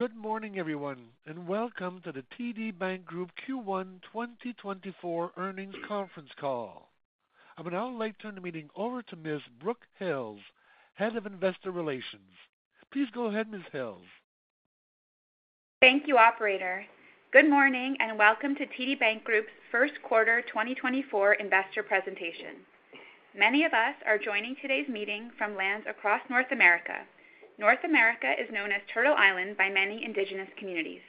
Good morning, everyone, and welcome to the TD Bank Group Q1 2024 earnings conference call. I'm now going to turn the meeting over to Ms. Brooke Hales, Head of Investor Relations. Please go ahead, Ms. Hales. Thank you, Operator. Good morning and welcome to TD Bank Group's first quarter 2024 investor presentation. Many of us are joining today's meeting from lands across North America. North America is known as Turtle Island by many Indigenous communities.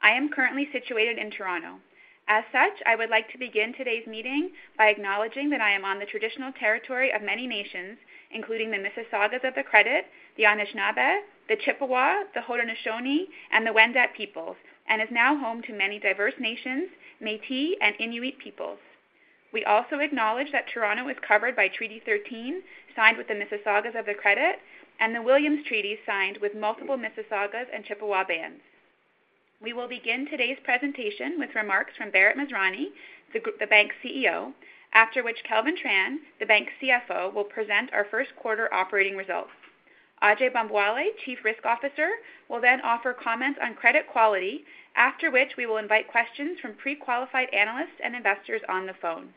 I am currently situated in Toronto. As such, I would like to begin today's meeting by acknowledging that I am on the traditional territory of many nations, including the Mississaugas of the Credit, the Anishinaabe, the Chippewa, the Haudenosaunee, and the Wendat peoples, and is now home to many diverse nations, Métis, and Inuit peoples. We also acknowledge that Toronto is covered by Treaty 13 signed with the Mississaugas of the Credit and the Williams Treaty signed with multiple Mississaugas and Chippewa bands. We will begin today's presentation with remarks from Bharat Masrani, the bank's CEO, after which Kelvin Tran, the bank's CFO, will present our first quarter operating results. Ajai Bambawale, Chief Risk Officer, will then offer comments on credit quality, after which we will invite questions from pre-qualified analysts and investors on the phone.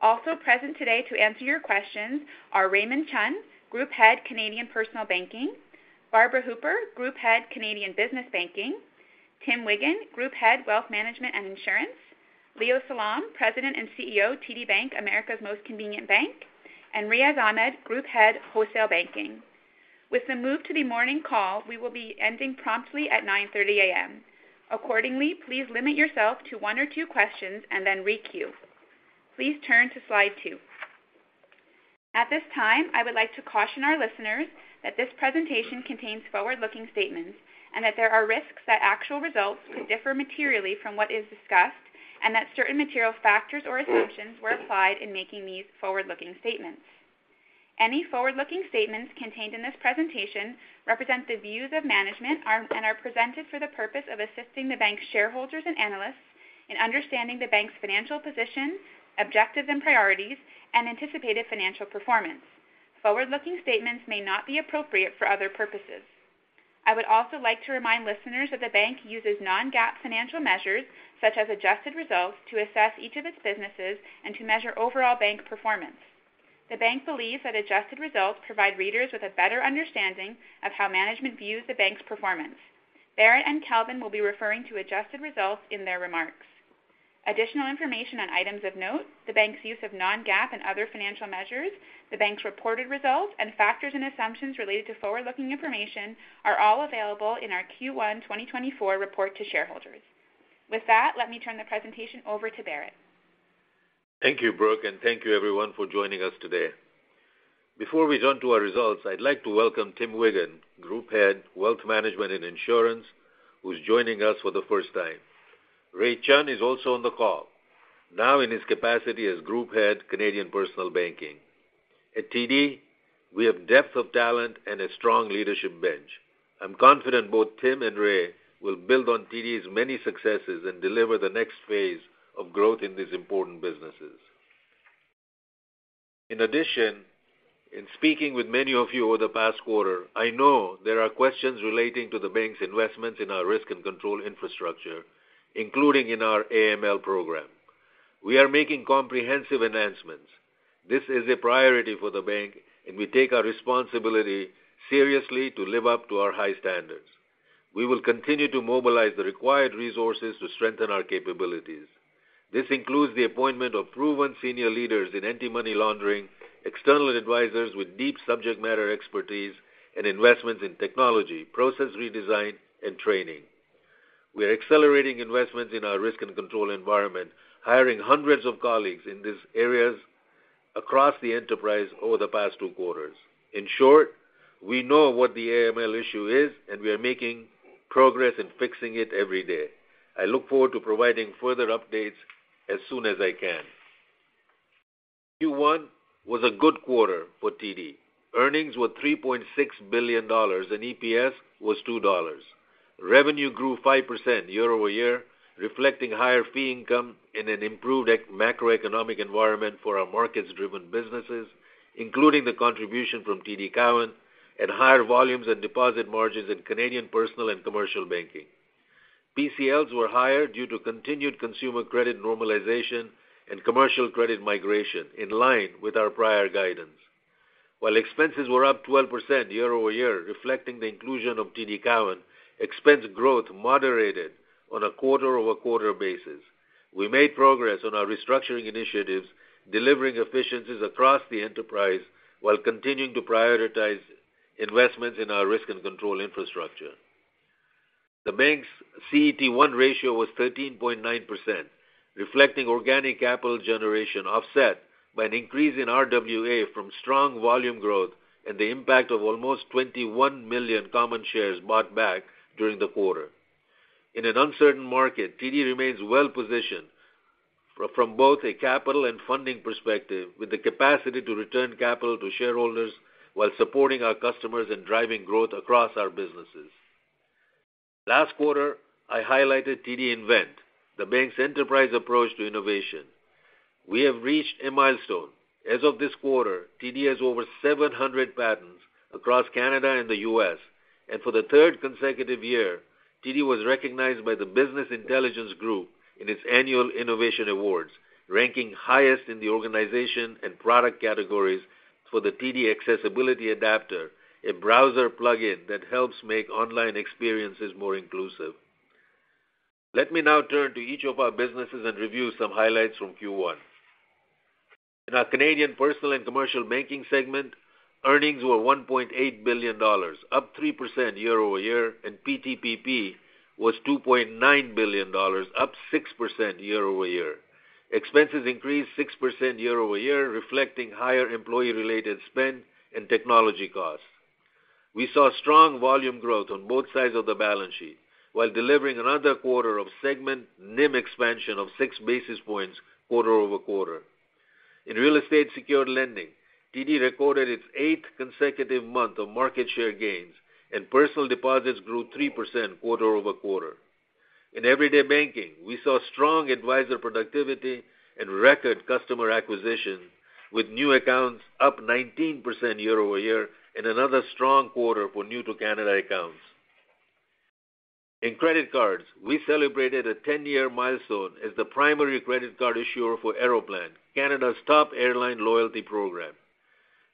Also present today to answer your questions are Raymond Chun, Group Head Canadian Personal Banking, Barbara Hooper, Group Head Canadian Business Banking, Tim Wiggan, Group Head Wealth Management and Insurance, Leo Salom, President and CEO, TD Bank, America's Most Convenient Bank, and Riaz Ahmed, Group Head Wholesale Banking. With the move to the morning call, we will be ending promptly at 9:30 A.M. Accordingly, please limit yourself to one or two questions and then re-cue. Please turn to slide 2. At this time, I would like to caution our listeners that this presentation contains forward-looking statements and that there are risks that actual results could differ materially from what is discussed, and that certain material factors or assumptions were applied in making these forward-looking statements. Any forward-looking statements contained in this presentation represent the views of management and are presented for the purpose of assisting the bank's shareholders and analysts in understanding the bank's financial position, objectives and priorities, and anticipated financial performance. Forward-looking statements may not be appropriate for other purposes. I would also like to remind listeners that the bank uses non-GAAP financial measures such as adjusted results to assess each of its businesses and to measure overall bank performance. The bank believes that adjusted results provide readers with a better understanding of how management views the bank's performance. Bharat and Kelvin will be referring to adjusted results in their remarks. Additional information on items of note, the bank's use of non-GAAP and other financial measures, the bank's reported results, and factors and assumptions related to forward-looking information are all available in our Q1 2024 report to shareholders. With that, let me turn the presentation over to Bharat. Thank you, Brooke, and thank you, everyone, for joining us today. Before we jump to our results, I'd like to welcome Tim Wiggan, Group Head Wealth Management and Insurance, who's joining us for the first time. Ray Chun is also on the call, now in his capacity as Group Head Canadian Personal Banking. At TD, we have depth of talent and a strong leadership bench. I'm confident both Tim and Ray will build on TD's many successes and deliver the next phase of growth in these important businesses. In addition, in speaking with many of you over the past quarter, I know there are questions relating to the bank's investments in our risk and control infrastructure, including in our AML program. We are making comprehensive enhancements. This is a priority for the bank, and we take our responsibility seriously to live up to our high standards. We will continue to mobilize the required resources to strengthen our capabilities. This includes the appointment of proven senior leaders in anti-money laundering, external advisors with deep subject matter expertise, and investments in technology, process redesign, and training. We are accelerating investments in our risk and control environment, hiring hundreds of colleagues in these areas across the enterprise over the past two quarters. In short, we know what the AML issue is, and we are making progress in fixing it every day. I look forward to providing further updates as soon as I can. Q1 was a good quarter for TD. Earnings were 3.6 billion dollars, and EPS was 2 dollars. Revenue grew 5% year-over-year, reflecting higher fee income and an improved macroeconomic environment for our markets-driven businesses, including the contribution from TD Cowen and higher volumes and deposit margins in Canadian personal and commercial banking. PCLs were higher due to continued consumer credit normalization and commercial credit migration in line with our prior guidance. While expenses were up 12% year-over-year, reflecting the inclusion of TD Cowen, expense growth moderated on a quarter-over-quarter basis. We made progress on our restructuring initiatives, delivering efficiencies across the enterprise while continuing to prioritize investments in our risk and control infrastructure. The bank's CET1 ratio was 13.9%, reflecting organic capital generation offset by an increase in RWA from strong volume growth and the impact of almost 21 million common shares bought back during the quarter. In an uncertain market, TD remains well positioned from both a capital and funding perspective, with the capacity to return capital to shareholders while supporting our customers and driving growth across our businesses. Last quarter, I highlighted TD Invent, the bank's enterprise approach to innovation. We have reached a milestone. As of this quarter, TD has over 700 patents across Canada and the U.S., and for the third consecutive year, TD was recognized by the Business Intelligence Group in its annual innovation awards, ranking highest in the organization and product categories for the TD Accessibility Adapter, a browser plug-in that helps make online experiences more inclusive. Let me now turn to each of our businesses and review some highlights from Q1. In our Canadian personal and commercial banking segment, earnings were 1.8 billion dollars, up 3% year-over-year, and PTPP was 2.9 billion dollars, up 6% year-over-year. Expenses increased 6% year-over-year, reflecting higher employee-related spend and technology costs. We saw strong volume growth on both sides of the balance sheet, while delivering another quarter of segment NIM expansion of six basis points quarter-over-quarter. In real estate secured lending, TD recorded its eighth consecutive month of market share gains, and personal deposits grew 3% quarter-over-quarter. In everyday banking, we saw strong advisor productivity and record customer acquisition, with new accounts up 19% year-over-year in another strong quarter for new-to-Canada accounts. In credit cards, we celebrated a 10-year milestone as the primary credit card issuer for Aeroplan, Canada's top airline loyalty program.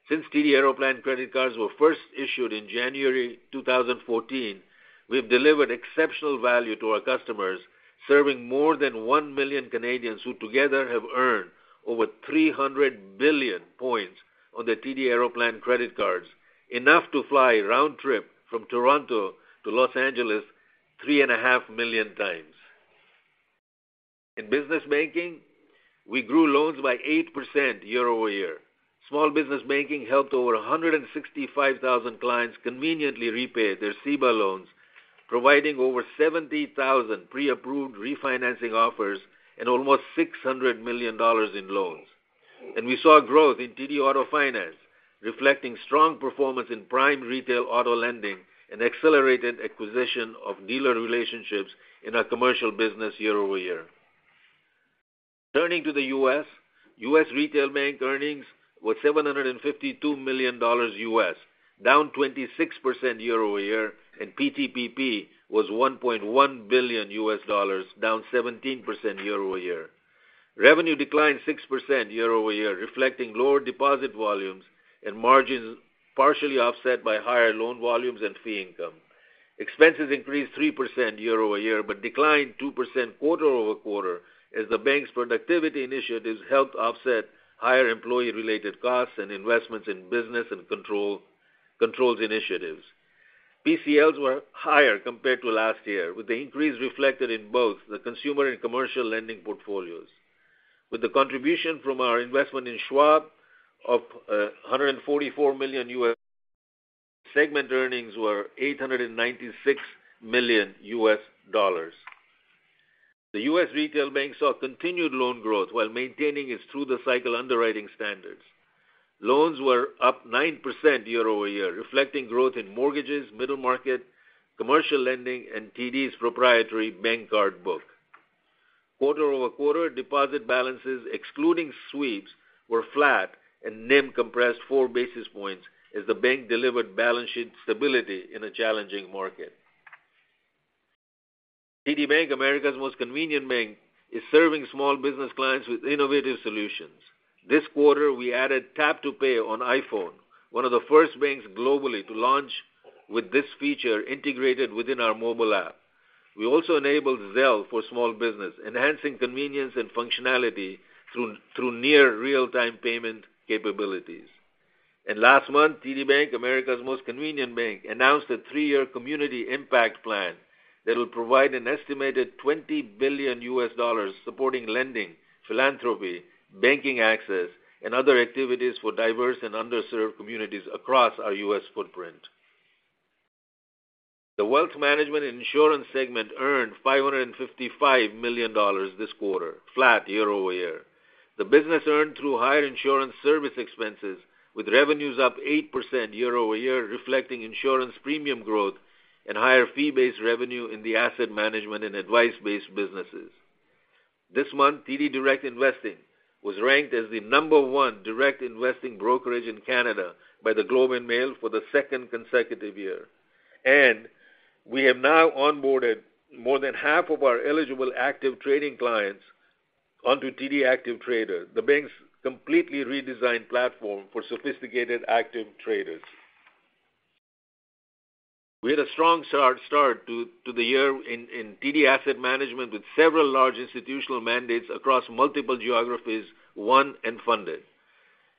Since TD Aeroplan credit cards were first issued in January 2014, we've delivered exceptional value to our customers, serving more than 1 million Canadians who together have earned over 300 billion points on their TD Aeroplan credit cards, enough to fly round trip from Toronto to Los Angeles 3.5 million times. In business banking, we grew loans by 8% year-over-year. Small business banking helped over 165,000 clients conveniently repay their CEBA loans, providing over 70,000 pre-approved refinancing offers and almost 600 million dollars in loans. We saw growth in TD Auto Finance, reflecting strong performance in prime retail auto lending and accelerated acquisition of dealer relationships in our commercial business year-over-year. Turning to the U.S., U.S. retail bank earnings were $752 million, down 26% year-over-year, and PTPP was $1.1 billion, down 17% year-over-year. Revenue declined 6% year-over-year, reflecting lower deposit volumes and margins partially offset by higher loan volumes and fee income. Expenses increased 3% year-over-year but declined 2% quarter-over-quarter as the bank's productivity initiatives helped offset higher employee-related costs and investments in business and control controls initiatives. PCLs were higher compared to last year, with the increase reflected in both the consumer and commercial lending portfolios. With the contribution from our investment in Schwab of $144 million, segment earnings were $896 million. The U.S. retail bank saw continued loan growth while maintaining its through-the-cycle underwriting standards. Loans were up 9% year-over-year, reflecting growth in mortgages, middle market, commercial lending, and TD's proprietary bank card book. Quarter-over-quarter, deposit balances excluding sweeps were flat and NIM compressed four basis points as the bank delivered balance sheet stability in a challenging market. TD Bank, America's Most Convenient Bank, is serving small business clients with innovative solutions. This quarter, we added Tap to Pay on iPhone, one of the first banks globally to launch with this feature integrated within our mobile app. We also enabled Zelle for small business, enhancing convenience and functionality through near real-time payment capabilities. Last month, TD Bank, America's Most Convenient Bank, announced a 3-year community impact plan that will provide an estimated $20 billion supporting lending, philanthropy, banking access, and other activities for diverse and underserved communities across our U.S. footprint. The wealth management and insurance segment earned 555 million dollars this quarter, flat year-over-year. The business earned through higher insurance service expenses, with revenues up 8% year-over-year, reflecting insurance premium growth and higher fee-based revenue in the asset management and advice-based businesses. This month, TD Direct Investing was ranked as the number 1 direct investing brokerage in Canada by the Globe and Mail for the second consecutive year, and we have now onboarded more than half of our eligible active trading clients onto TD Active Trader, the bank's completely redesigned platform for sophisticated active traders. We had a strong start to the year in TD Asset Management with several large institutional mandates across multiple geographies won and funded,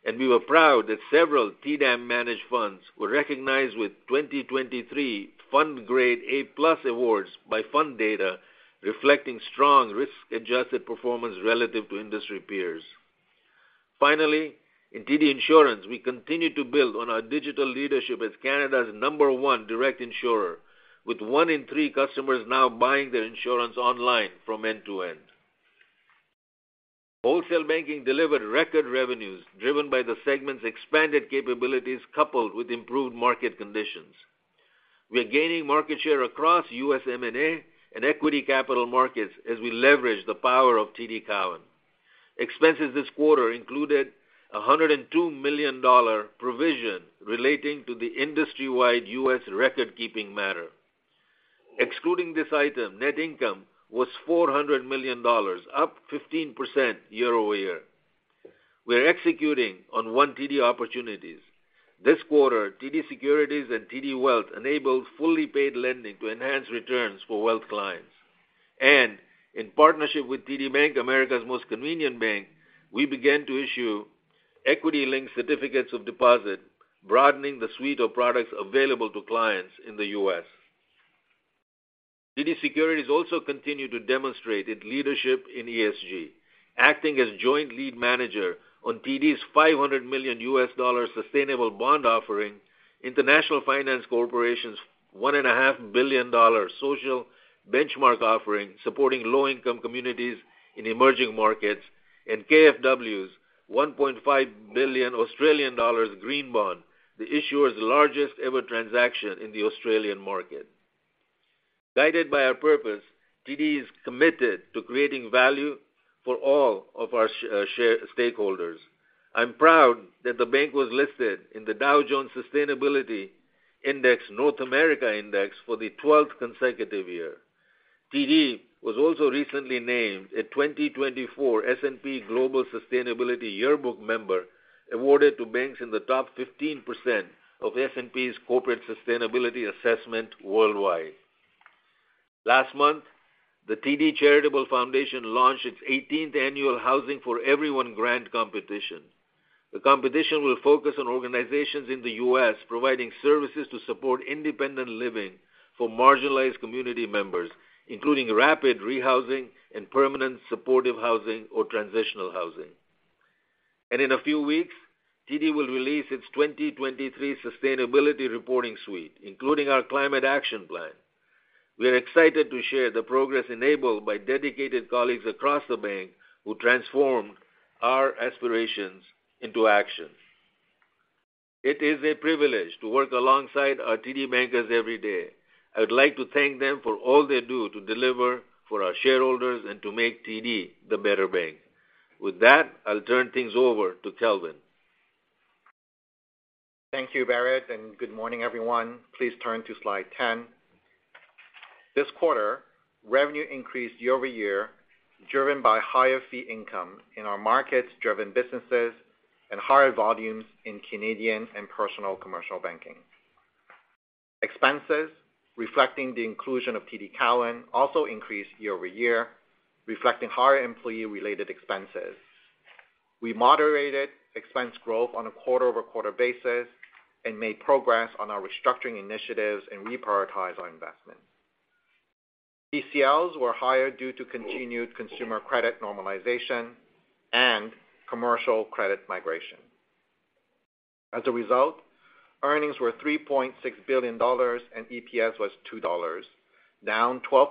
and we were proud that several TDAM-managed funds were recognized with 2023 FundGrade A+ awards by Fundata, reflecting strong risk-adjusted performance relative to industry peers. Finally, in TD Insurance, we continue to build on our digital leadership as Canada's number 1 direct insurer, with one in three customers now buying their insurance online from end to end. Wholesale banking delivered record revenues driven by the segment's expanded capabilities coupled with improved market conditions. We are gaining market share across U.S. M&A and equity capital markets as we leverage the power of TD Cowen. Expenses this quarter included a $102 million provision relating to the industry-wide U.S. record-keeping matter. Excluding this item, net income was $400 million, up 15% year-over-year. We are executing on one TD opportunities. This quarter, TD Securities and TD Wealth enabled fully paid lending to enhance returns for wealth clients, and in partnership with TD Bank, America's Most Convenient Bank, we began to issue equity-linked certificates of deposit, broadening the suite of products available to clients in the U.S. TD Securities also continued to demonstrate its leadership in ESG, acting as joint lead manager on TD's $500 million U.S. sustainable bond offering, International Finance Corporation's $1.5 billion social benchmark offering supporting low-income communities in emerging markets, and KfW's $1.5 billion Australian green bond, the issuer's largest ever transaction in the Australian market. Guided by our purpose, TD is committed to creating value for all of our shareholders. I'm proud that the bank was listed in the Dow Jones Sustainability Index North America Index for the 12th consecutive year. TD was also recently named a 2024 S&P Global Sustainability Yearbook member awarded to banks in the top 15% of S&P's corporate sustainability assessment worldwide. Last month, the TD Charitable Foundation launched its 18th annual Housing for Everyone grant competition. The competition will focus on organizations in the U.S. providing services to support independent living for marginalized community members, including rapid rehousing and permanent supportive housing or transitional housing. In a few weeks, TD will release its 2023 sustainability reporting suite, including our climate action plan. We are excited to share the progress enabled by dedicated colleagues across the bank who transformed our aspirations into action. It is a privilege to work alongside our TD bankers every day. I would like to thank them for all they do to deliver for our shareholders and to make TD the better bank. With that, I'll turn things over to Kelvin. Thank you, Barrett, and good morning, everyone. Please turn to slide 10. This quarter, revenue increased year over year driven by higher fee income in our markets-driven businesses and higher volumes in Canadian and personal commercial banking. Expenses, reflecting the inclusion of TD Cowen, also increased year over year, reflecting higher employee-related expenses. We moderated expense growth on a quarter-over-quarter basis and made progress on our restructuring initiatives and reprioritized our investments. PCLs were higher due to continued consumer credit normalization and commercial credit migration. As a result, earnings were 3.6 billion dollars and EPS was 2 dollars, down 12%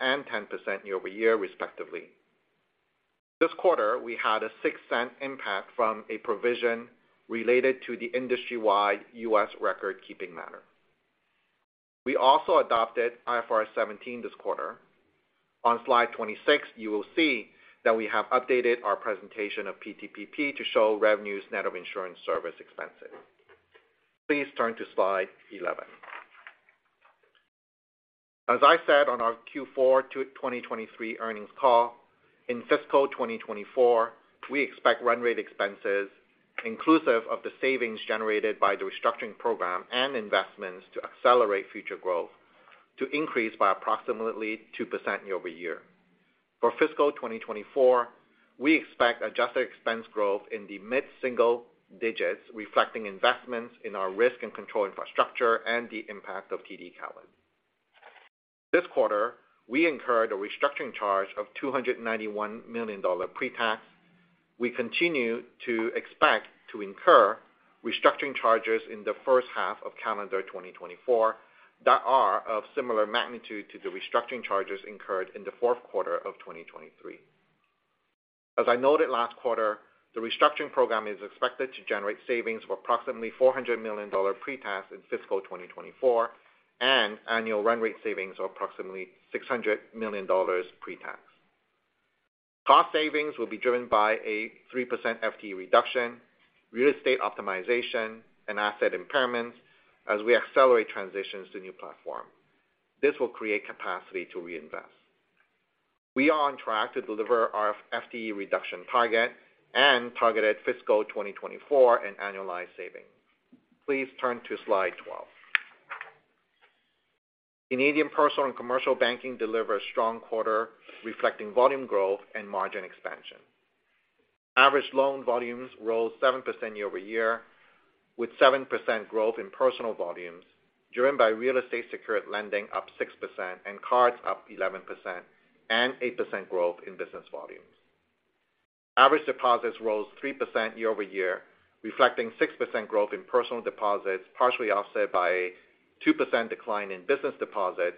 and 10% year over year, respectively. This quarter, we had a 0.06 impact from a provision related to the industry-wide U.S. record-keeping matter. We also adopted IFRS 17 this quarter. On slide 26, you will see that we have updated our presentation of PTPP to show revenues net of insurance service expenses. Please turn to slide 11. As I said on our Q4 2023 earnings call, in fiscal 2024, we expect run rate expenses, inclusive of the savings generated by the restructuring program and investments, to accelerate future growth to increase by approximately 2% year-over-year. For fiscal 2024, we expect adjusted expense growth in the mid-single digits, reflecting investments in our risk and control infrastructure and the impact of TD Cowen. This quarter, we incurred a restructuring charge of 291 million dollar pre-tax. We continue to expect to incur restructuring charges in the first half of calendar 2024 that are of similar magnitude to the restructuring charges incurred in the fourth quarter of 2023. As I noted last quarter, the restructuring program is expected to generate savings of approximately 400 million dollar pre-tax in fiscal 2024 and annual run rate savings of approximately 600 million dollars pre-tax. Cost savings will be driven by a 3% FTE reduction, real estate optimization, and asset impairments as we accelerate transitions to new platforms. This will create capacity to reinvest. We are on track to deliver our FTE reduction target and targeted fiscal 2024 and annualized savings. Please turn to slide 12. Canadian personal and commercial banking delivered a strong quarter, reflecting volume growth and margin expansion. Average loan volumes rose 7% year-over-year, with 7% growth in personal volumes driven by real estate secured lending up 6% and cards up 11% and 8% growth in business volumes. Average deposits rose 3% year-over-year, reflecting 6% growth in personal deposits, partially offset by a 2% decline in business deposits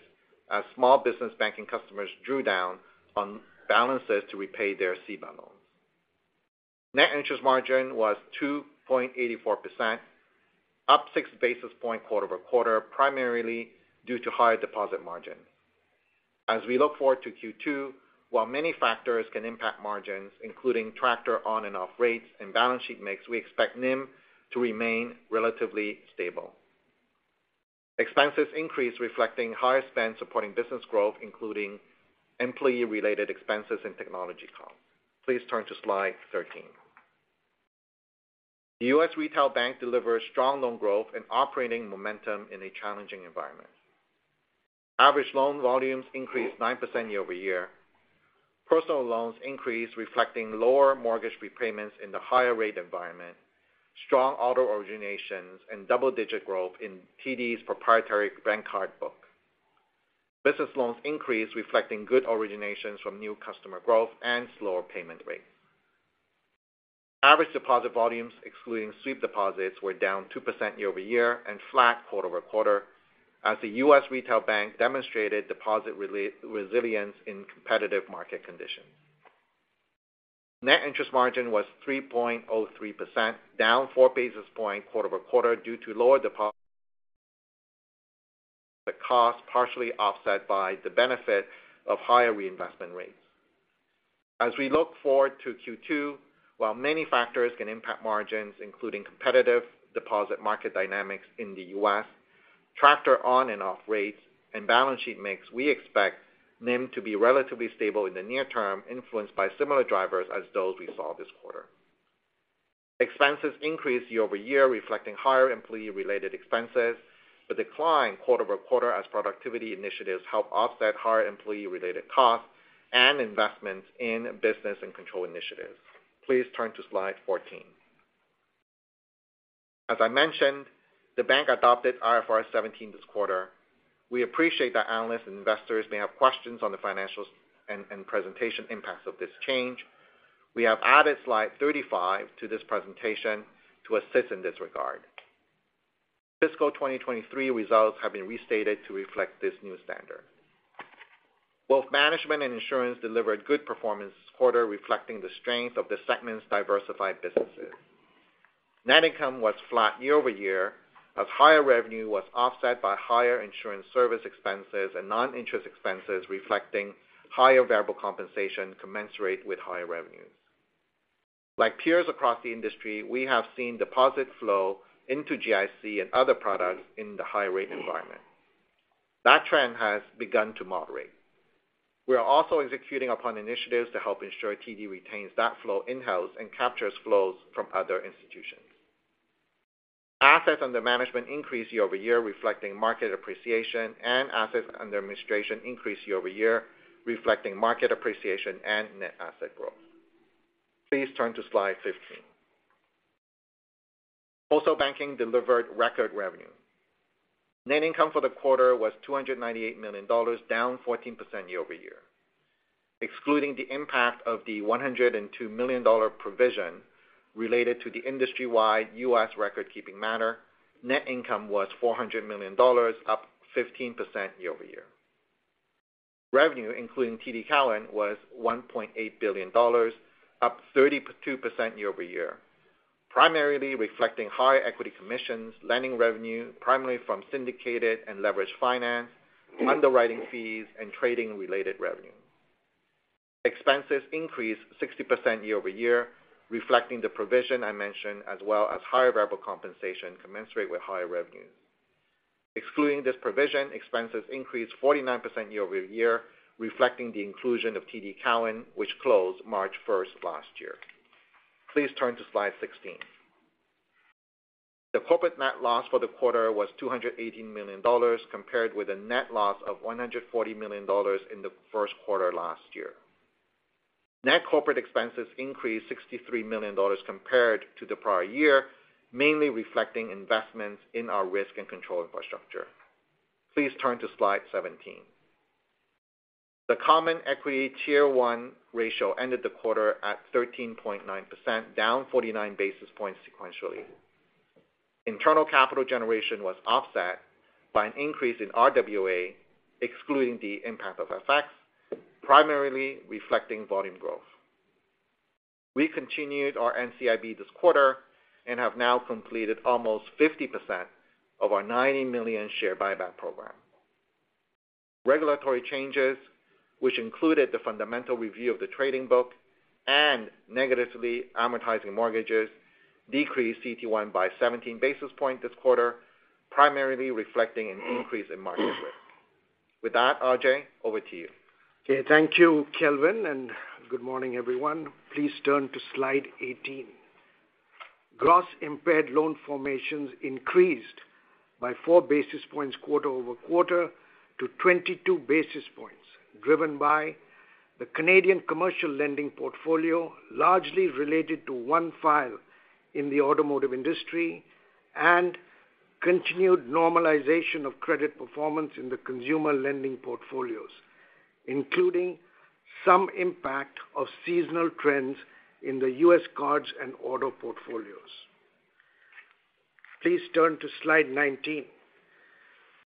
as small business banking customers drew down on balances to repay their SEBA loans. Net interest margin was 2.84%, up 6 basis points quarter-over-quarter, primarily due to higher deposit margin. As we look forward to Q2, while many factors can impact margins, including tractor on and off rates and balance sheet mix, we expect NIM to remain relatively stable. Expenses increased, reflecting higher spend supporting business growth, including employee-related expenses and technology costs. Please turn to slide 13. The U.S. retail bank delivered strong loan growth and operating momentum in a challenging environment. Average loan volumes increased 9% year-over-year. Personal loans increased, reflecting lower mortgage repayments in the higher rate environment, strong auto originations, and double-digit growth in TD's proprietary bank card book. Business loans increased, reflecting good originations from new customer growth and slower payment rates. Average deposit volumes, excluding sweep deposits, were down 2% year-over-year and flat quarter-over-quarter as the U.S. Retail bank demonstrated deposit resilience in competitive market conditions. Net interest margin was 3.03%, down four basis points quarter-over-quarter due to lower deposit costs, partially offset by the benefit of higher reinvestment rates. As we look forward to Q2, while many factors can impact margins, including competitive deposit market dynamics in the U.S., traction on and off rates, and balance sheet mix, we expect NIM to be relatively stable in the near term, influenced by similar drivers as those we saw this quarter. Expenses increased year-over-year, reflecting higher employee-related expenses, but decline quarter-over-quarter as productivity initiatives helped offset higher employee-related costs and investments in business and control initiatives. Please turn to Slide 14. As I mentioned, the bank adopted IFRS 17 this quarter. We appreciate that analysts and investors may have questions on the financials and presentation impacts of this change. We have added slide 35 to this presentation to assist in this regard. Fiscal 2023 results have been restated to reflect this new standard. Both management and insurance delivered good performance this quarter, reflecting the strength of the segment's diversified businesses. Net income was flat year-over-year as higher revenue was offset by higher insurance service expenses and non-interest expenses, reflecting higher variable compensation commensurate with higher revenues. Like peers across the industry, we have seen deposit flow into GIC and other products in the high rate environment. That trend has begun to moderate. We are also executing upon initiatives to help ensure TD retains that flow in-house and captures flows from other institutions. Assets under management increased year-over-year, reflecting market appreciation, and assets under administration increased year-over-year, reflecting market appreciation and net asset growth. Please turn to slide 15. Wholesale banking delivered record revenue. Net income for the quarter was 298 million dollars, down 14% year-over-year. Excluding the impact of the 102 million dollar provision related to the industry-wide U.S. record-keeping matter, net income was 400 million dollars, up 15% year-over-year. Revenue, including TD Cowen, was 1.8 billion dollars, up 32% year-over-year, primarily reflecting higher equity commissions, lending revenue primarily from syndicated and leveraged finance, underwriting fees, and trading-related revenue. Expenses increased 60% year-over-year, reflecting the provision I mentioned as well as higher variable compensation commensurate with higher revenues. Excluding this provision, expenses increased 49% year-over-year, reflecting the inclusion of TD Cowen, which closed March 1st last year. Please turn to slide 16. The corporate net loss for the quarter was 218 million dollars compared with a net loss of 140 million dollars in the first quarter last year. Net corporate expenses increased $63 million compared to the prior year, mainly reflecting investments in our risk and control infrastructure. Please turn to Slide 17. The Common Equity Tier 1 ratio ended the quarter at 13.9%, down 49 basis points sequentially. Internal capital generation was offset by an increase in RWA, excluding the impact of FX, primarily reflecting volume growth. We continued our NCIB this quarter and have now completed almost 50% of our 90 million share buyback program. Regulatory changes, which included the fundamental review of the trading book and negatively amortizing mortgages, decreased CET1 by 17 basis points this quarter, primarily reflecting an increase in market risk. With that, Ajai, over to you. Okay. Thank you, Kelvin, and good morning, everyone. Please turn to slide 18. Gross impaired loan formations increased by 4 basis points quarter-over-quarter to 22 basis points, driven by the Canadian commercial lending portfolio, largely related to one file in the automotive industry, and continued normalization of credit performance in the consumer lending portfolios, including some impact of seasonal trends in the U.S. cards and auto portfolios. Please turn to slide 19.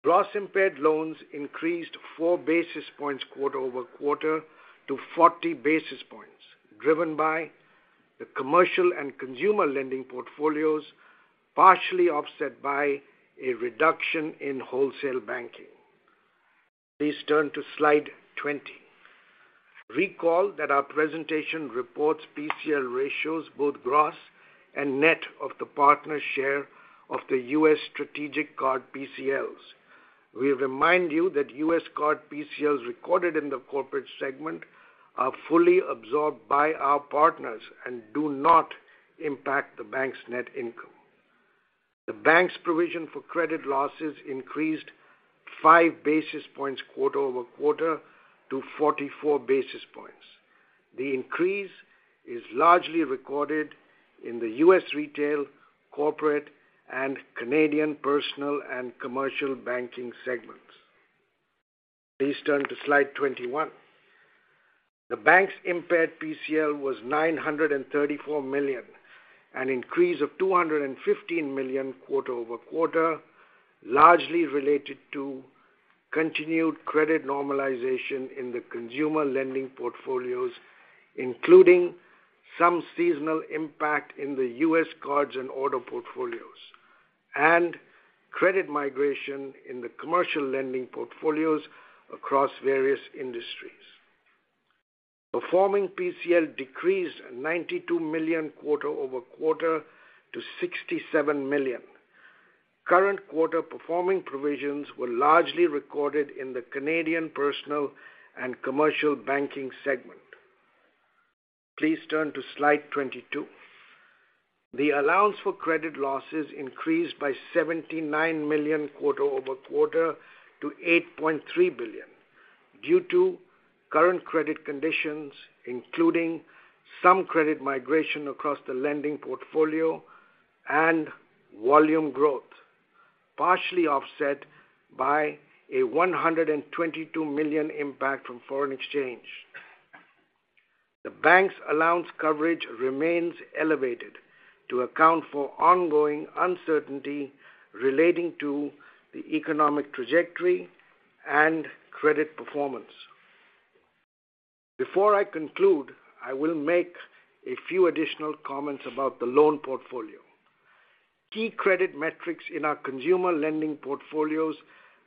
Gross impaired loans increased 4 basis points quarter-over-quarter to 40 basis points, driven by the commercial and consumer lending portfolios, partially offset by a reduction in wholesale banking. Please turn to slide 20. Recall that our presentation reports PCL ratios, both gross and net, of the partner share of the U.S. strategic card PCLs. We remind you that U.S. Card PCLs recorded in the corporate segment are fully absorbed by our partners and do not impact the bank's net income. The bank's provision for credit losses increased 5 basis points quarter-over-quarter to 44 basis points. The increase is largely recorded in the U.S. retail, corporate, and Canadian personal and commercial banking segments. Please turn to slide 21. The bank's impaired PCL was 934 million, an increase of 215 million quarter-over-quarter, largely related to continued credit normalization in the consumer lending portfolios, including some seasonal impact in the U.S. cards and auto portfolios, and credit migration in the commercial lending portfolios across various industries. Performing PCL decreased 92 million quarter-over-quarter to 67 million. Current quarter performing provisions were largely recorded in the Canadian personal and commercial banking segment. Please turn to slide 22. The allowance for credit losses increased by 79 million quarter-over-quarter to 8.3 billion due to current credit conditions, including some credit migration across the lending portfolio and volume growth, partially offset by a 122 million impact from foreign exchange. The bank's allowance coverage remains elevated to account for ongoing uncertainty relating to the economic trajectory and credit performance. Before I conclude, I will make a few additional comments about the loan portfolio. Key credit metrics in our consumer lending portfolios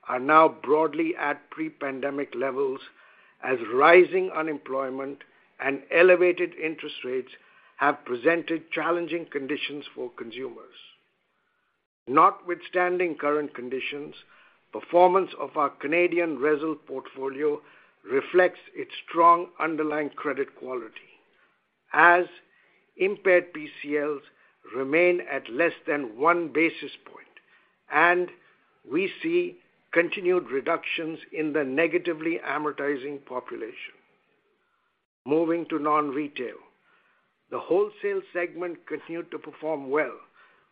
are now broadly at pre-pandemic levels as rising unemployment and elevated interest rates have presented challenging conditions for consumers. Notwithstanding current conditions, performance of our Canadian RESL portfolio reflects its strong underlying credit quality. As impaired PCLs remain at less than one basis point, we see continued reductions in the negatively amortizing population. Moving to non-retail, the wholesale segment continued to perform well,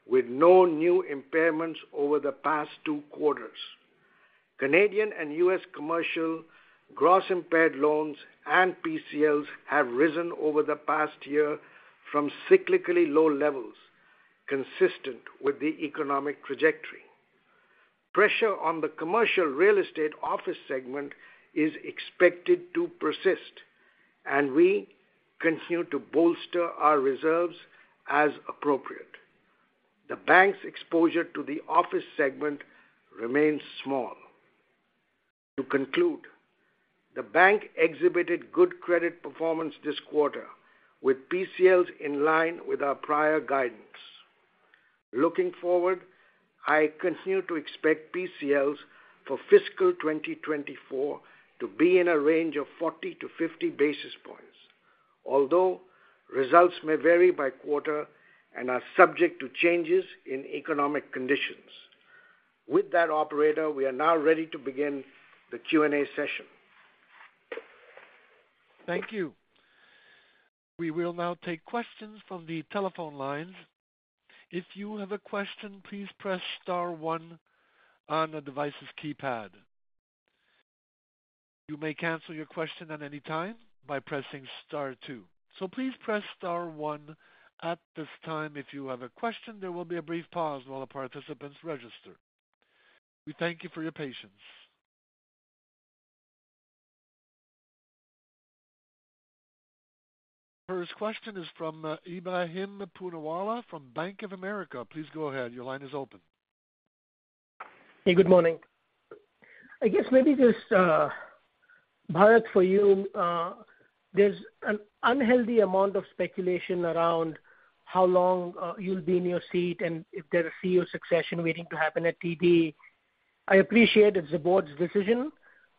with no new impairments over the past two quarters. Canadian and U.S. commercial gross impaired loans and PCLs have risen over the past year from cyclically low levels, consistent with the economic trajectory. Pressure on the commercial real estate office segment is expected to persist, and we continue to bolster our reserves as appropriate. The bank's exposure to the office segment remains small. To conclude, the bank exhibited good credit performance this quarter, with PCLs in line with our prior guidance. Looking forward, I continue to expect PCLs for fiscal 2024 to be in a range of 40-50 basis points, although results may vary by quarter and are subject to changes in economic conditions. With that, operator, we are now ready to begin the Q&A session. Thank you. We will now take questions from the telephone lines. If you have a question, please press star one on the device's keypad. You may cancel your question at any time by pressing star two. So please press star one at this time. If you have a question, there will be a brief pause while the participants register. We thank you for your patience. First question is from Ebrahim Poonawala from Bank of America. Please go ahead. Your line is open. Hey, good morning. I guess maybe just Bharat, for you, there's an unhealthy amount of speculation around how long you'll be in your seat and if there's a CEO succession waiting to happen at TD. I appreciate it's the board's decision,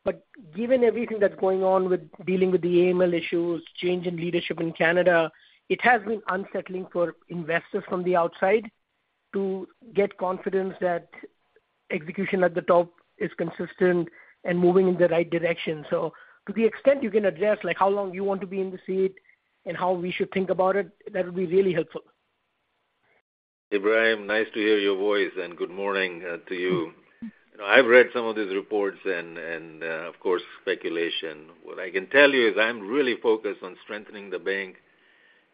but given everything that's going on with dealing with the AML issues, change in leadership in Canada, it has been unsettling for investors from the outside to get confidence that execution at the top is consistent and moving in the right direction. So to the extent you can address like how long you want to be in the seat and how we should think about it, that would be really helpful. Ibrahim, nice to hear your voice, and good morning to you. You know, I've read some of these reports and, of course, speculation. What I can tell you is I'm really focused on strengthening the bank,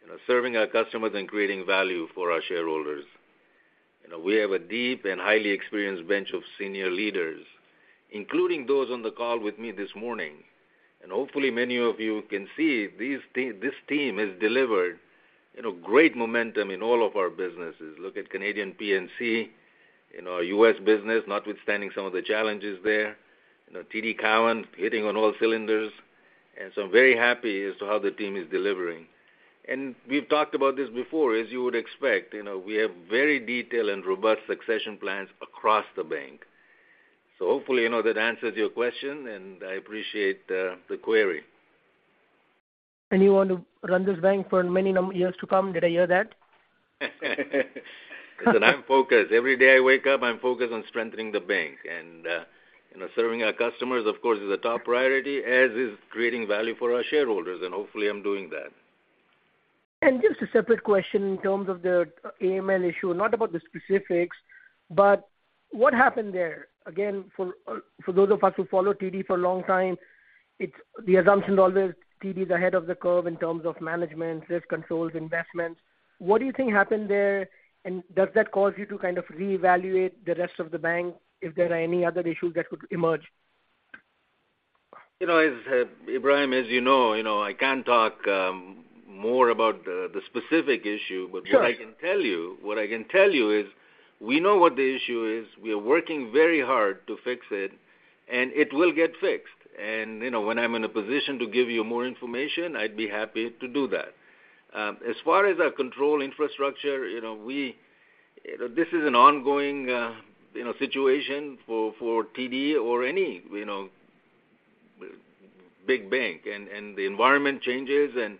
you know, serving our customers and creating value for our shareholders. You know, we have a deep and highly experienced bench of senior leaders, including those on the call with me this morning. Hopefully, many of you can see this team has delivered, you know, great momentum in all of our businesses. Look at Canadian P&C in our U.S. business, notwithstanding some of the challenges there. You know, TD Kelvin hitting on all cylinders, and so I'm very happy as to how the team is delivering. We've talked about this before, as you would expect. You know, we have very detailed and robust succession plans across the bank. So hopefully, you know, that answers your question, and I appreciate the query. You want to run this bank for many more years to come? Did I hear that? Listen, I'm focused. Every day I wake up, I'm focused on strengthening the bank. You know, serving our customers, of course, is a top priority, as is creating value for our shareholders. Hopefully, I'm doing that. Just a separate question in terms of the AML issue, not about the specifics, but what happened there? Again, for those of us who follow TD for a long time, it's the assumption's always TD's ahead of the curve in terms of management, risk controls, investments. What do you think happened there, and does that cause you to kind of reevaluate the rest of the bank if there are any other issues that could emerge? You know, as Ebrahim, as you know, you know, I can't talk more about the specific issue, but what I can tell you what I can tell you is we know what the issue is. We are working very hard to fix it, and it will get fixed. And, you know, when I'm in a position to give you more information, I'd be happy to do that. As far as our control infrastructure, you know, we, you know, this is an ongoing, you know, situation for TD or any, you know, big bank. And the environment changes, and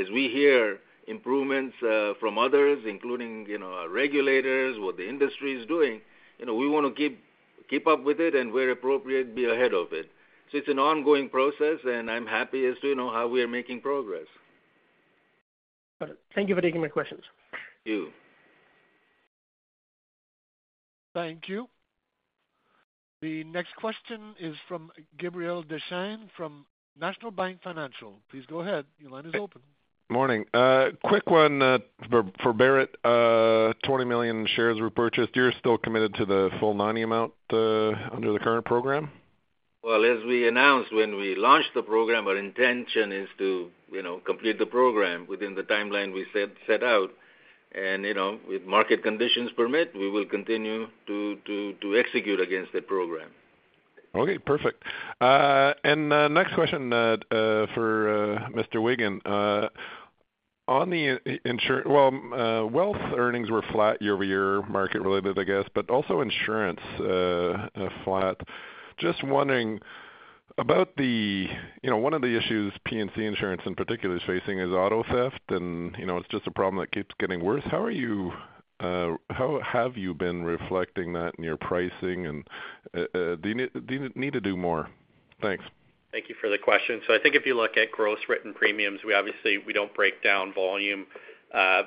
as we hear improvements from others, including, you know, our regulators, what the industry's doing, you know, we want to keep, keep up with it and, where appropriate, be ahead of it. So it's an ongoing process, and I'm happy as to, you know, how we are making progress. Got it. Thank you for taking my questions. You. Thank you. The next question is from Gabriel Dechaine from National Bank Financial. Please go ahead. Your line is open. Morning. Quick one for Barrett. 20 million shares were purchased. You're still committed to the full 90 amount under the current program? Well, as we announced when we launched the program, our intention is to, you know, complete the program within the timeline we said, set out. You know, if market conditions permit, we will continue to execute against that program. Okay. Perfect. Next question for Mr. Wiggan on the insurance. Well, wealth earnings were flat year-over-year, market-related, I guess, but also insurance, flat. Just wondering about the, you know, one of the issues P&C insurance in particular is facing is auto theft, and, you know, it's just a problem that keeps getting worse. How are you, how have you been reflecting that in your pricing, and, do you need do you need to do more? Thanks. Thank you for the question. So I think if you look at gross written premiums, we obviously, we don't break down volume,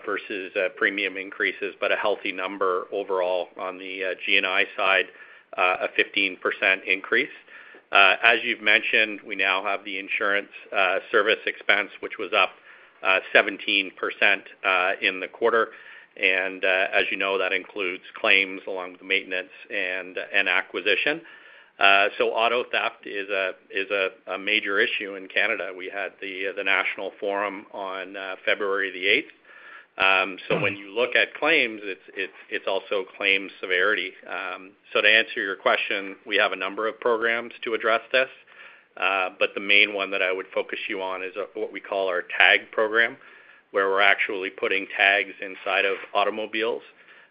versus, premium increases, but a healthy number overall on the, G&I side, a 15% increase. As you've mentioned, we now have the insurance, service expense, which was up, 17%, in the quarter. And, as you know, that includes claims along with maintenance and acquisition. So auto theft is a major issue in Canada. We had the national forum on February 8th. So when you look at claims, it's also claim severity. So to answer your question, we have a number of programs to address this. But the main one that I would focus you on is, what we call our Tag program, where we're actually putting Tags inside of automobiles.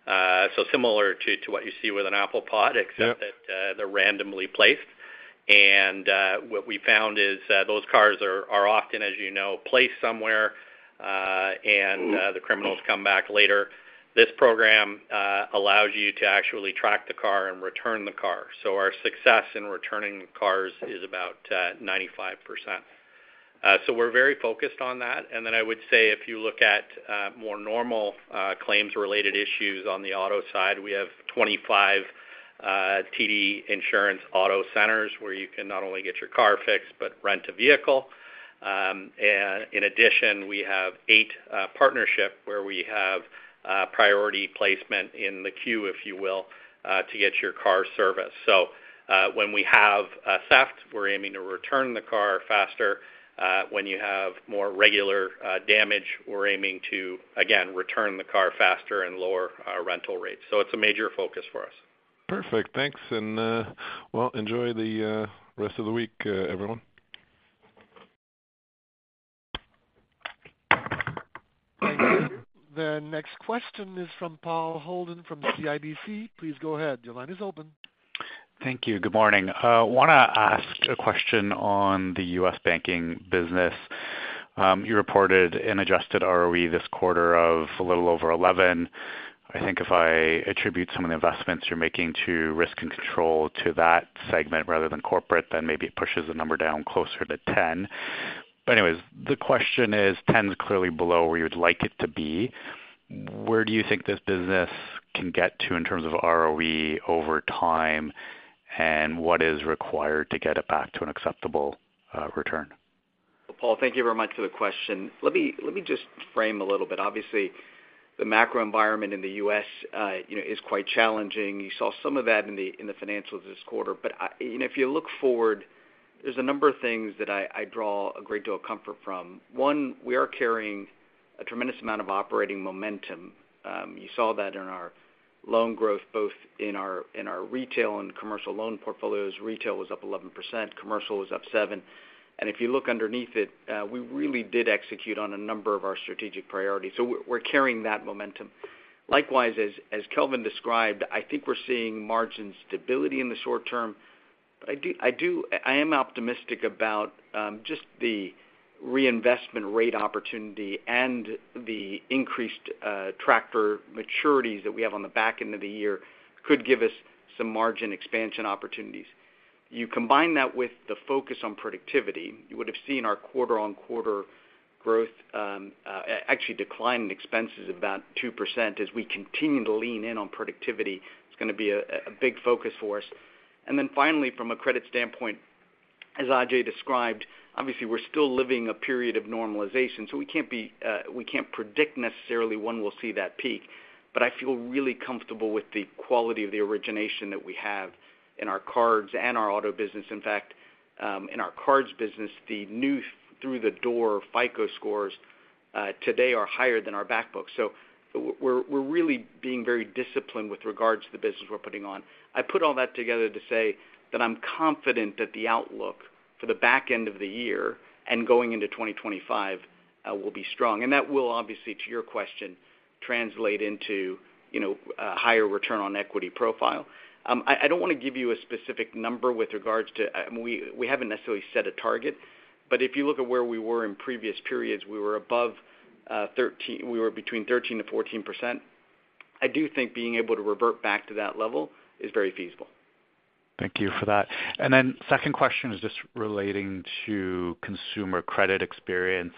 So similar to what you see with an Air Tag, except that they're randomly placed. And what we found is, those cars are often, as you know, placed somewhere, and the criminals come back later. This program allows you to actually track the car and return the car. So our success in returning cars is about 95%. So we're very focused on that. And then I would say if you look at more normal claims-related issues on the auto side, we have 25 TD Insurance Auto Centres where you can not only get your car fixed but rent a vehicle. And in addition, we have 8 partnerships where we have priority placement in the queue, if you will, to get your car serviced. So when we have theft, we're aiming to return the car faster. When you have more regular damage, we're aiming to again return the car faster and lower rental rates. So it's a major focus for us. Perfect. Thanks. Well, enjoy the rest of the week, everyone. Thank you. The next question is from Paul Holden from CIBC. Please go ahead. Your line is open. Thank you. Good morning. I want to ask a question on the U.S. banking business. You reported an adjusted ROE this quarter of a little over 11%. I think if I attribute some of the investments you're making to risk and control to that segment rather than corporate, then maybe it pushes the number down closer to 10%. But anyways, the question is, 10% is clearly below where you would like it to be. Where do you think this business can get to in terms of ROE over time, and what is required to get it back to an acceptable return? Well, Paul, thank you very much for the question. Let me just frame a little bit. Obviously, the macro environment in the U.S., you know, is quite challenging. You saw some of that in the financials this quarter. But I, you know, if you look forward, there's a number of things that I draw a great deal of comfort from. One, we are carrying a tremendous amount of operating momentum. You saw that in our loan growth, both in our retail and commercial loan portfolios. Retail was up 11%. Commercial was up 7%. And if you look underneath it, we really did execute on a number of our strategic priorities. So we're carrying that momentum. Likewise, as Kelvin described, I think we're seeing margin stability in the short term. But I am optimistic about just the reinvestment rate opportunity and the increased greater maturities that we have on the back end of the year could give us some margin expansion opportunities. You combine that with the focus on productivity, you would have seen our quarter-on-quarter growth actually decline in expenses of about 2% as we continue to lean in on productivity. It's going to be a big focus for us. And then finally, from a credit standpoint, as Ajai described, obviously we're still living a period of normalization, so we can't predict necessarily when we'll see that peak. But I feel really comfortable with the quality of the origination that we have in our cards and our auto business. In fact, in our cards business, the new through-the-door FICO scores today are higher than our backbook. So we're really being very disciplined with regards to the business we're putting on. I put all that together to say that I'm confident that the outlook for the back end of the year and going into 2025 will be strong. And that will, obviously, to your question, translate into, you know, a higher return on equity profile. I don't want to give you a specific number with regards to I mean, we haven't necessarily set a target. But if you look at where we were in previous periods, we were above 13%; we were between 13%-14%. I do think being able to revert back to that level is very feasible. Thank you for that. Then second question is just relating to consumer credit experience.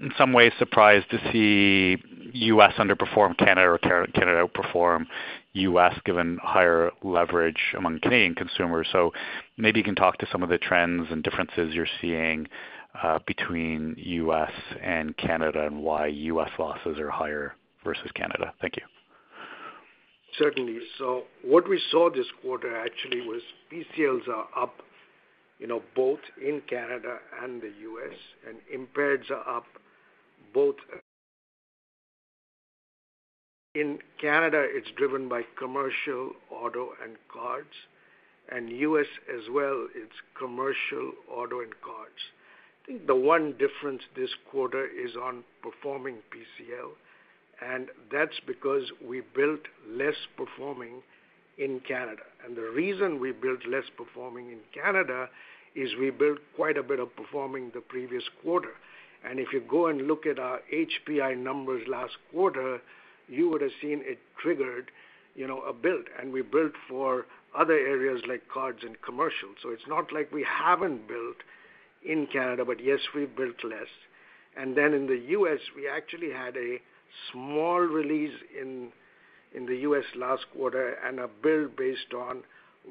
In some ways, surprised to see U.S. underperform Canada or Canada outperform U.S. given higher leverage among Canadian consumers. Maybe you can talk to some of the trends and differences you're seeing between U.S. and Canada and why U.S. losses are higher versus Canada. Thank you. Certainly. So what we saw this quarter, actually, was PCLs are up, you know, both in Canada and the U.S., and impaired are up both in Canada. It's driven by commercial auto and cards. U.S. as well, it's commercial auto and cards. I think the one difference this quarter is on performing PCL, and that's because we built less performing in Canada. The reason we built less performing in Canada is we built quite a bit of performing the previous quarter. If you go and look at our HPI numbers last quarter, you would have seen it triggered, you know, a build. We built for other areas like cards and commercial. So it's not like we haven't built in Canada, but yes, we built less. Then in the U.S., we actually had a small release in the U.S. last quarter and a build based on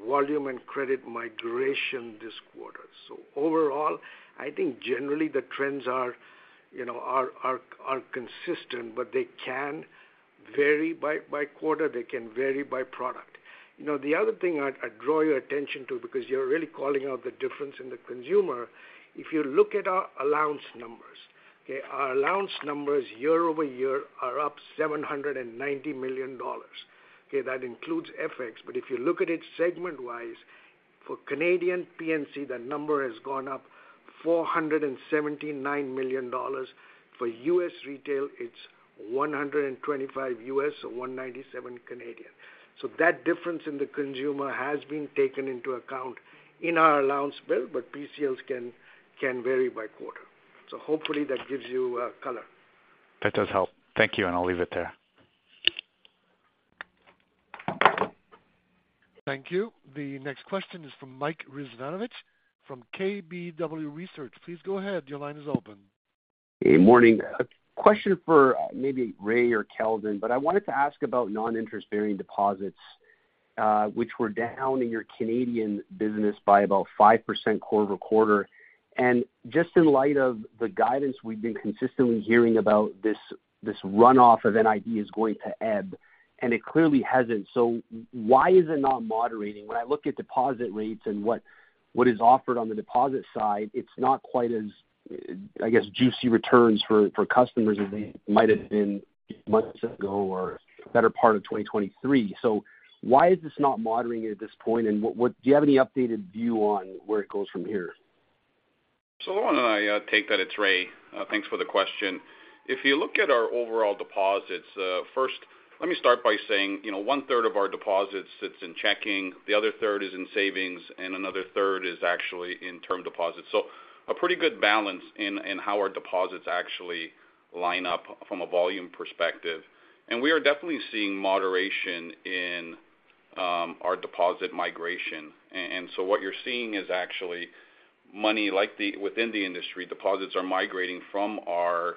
volume and credit migration this quarter. So overall, I think generally, the trends are, you know, consistent, but they can vary by quarter. They can vary by product. You know, the other thing I'd draw your attention to because you're really calling out the difference in the consumer, if you look at our allowance numbers, okay, our allowance numbers year over year are up 790 million dollars. Okay, that includes FX. But if you look at it segment-wise, for Canadian P&C, that number has gone up 479 million dollars. For U.S. Retail, it's $125 million, so 197 million. So that difference in the consumer has been taken into account in our allowance build, but PCLs can vary by quarter. So hopefully, that gives you color. That does help. Thank you, and I'll leave it there. Thank you. The next question is from Mike Rizvanovic from KBW Research. Please go ahead. Your line is open. Hey, morning. A question for maybe Ray or Kelvin, but I wanted to ask about non-interest bearing deposits, which were down in your Canadian business by about 5% quarter-over-quarter. And just in light of the guidance we've been consistently hearing about this, this runoff of NID is going to ebb, and it clearly hasn't, so why is it not moderating? When I look at deposit rates and what, what is offered on the deposit side, it's not quite as, I guess, juicy returns for, for customers as they might have been months ago or better part of 2023. So why is this not moderating at this point, and what, what do you have any updated view on where it goes from here? So I want to take that. It's Ray. Thanks for the question. If you look at our overall deposits, first, let me start by saying, you know, one-third of our deposit sits in checking. The other third is in savings, and another third is actually in term deposits. So a pretty good balance in how our deposits actually line up from a volume perspective. And we are definitely seeing moderation in our deposit migration. And so what you're seeing is actually money like the within the industry, deposits are migrating from our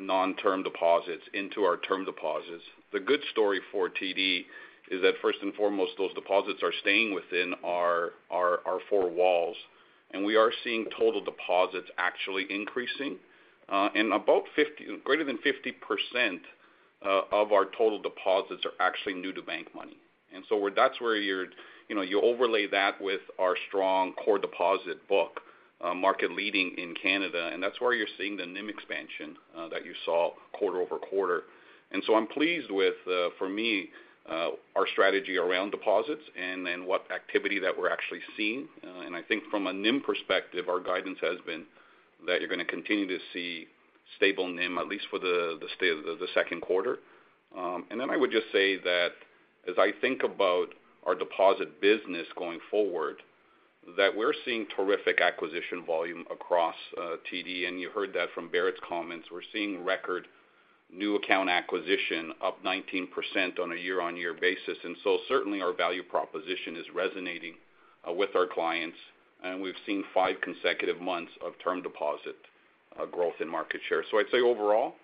non-term deposits into our term deposits. The good story for TD is that first and foremost, those deposits are staying within our four walls. And we are seeing total deposits actually increasing, and about 50 greater than 50% of our total deposits are actually new-to-bank money. And so that's where you're, you know, you overlay that with our strong core deposit book, market leading in Canada. And that's where you're seeing the NIM expansion that you saw quarter-over-quarter. And so I'm pleased with, for me, our strategy around deposits and then what activity that we're actually seeing. And I think from a NIM perspective, our guidance has been that you're going to continue to see stable NIM, at least for the second quarter. And then I would just say that as I think about our deposit business going forward, that we're seeing terrific acquisition volume across TD. And you heard that from Barrett's comments. We're seeing record new account acquisition up 19% on a year-on-year basis. And so certainly, our value proposition is resonating with our clients. And we've seen five consecutive months of term deposit growth in market share. I'd say overall,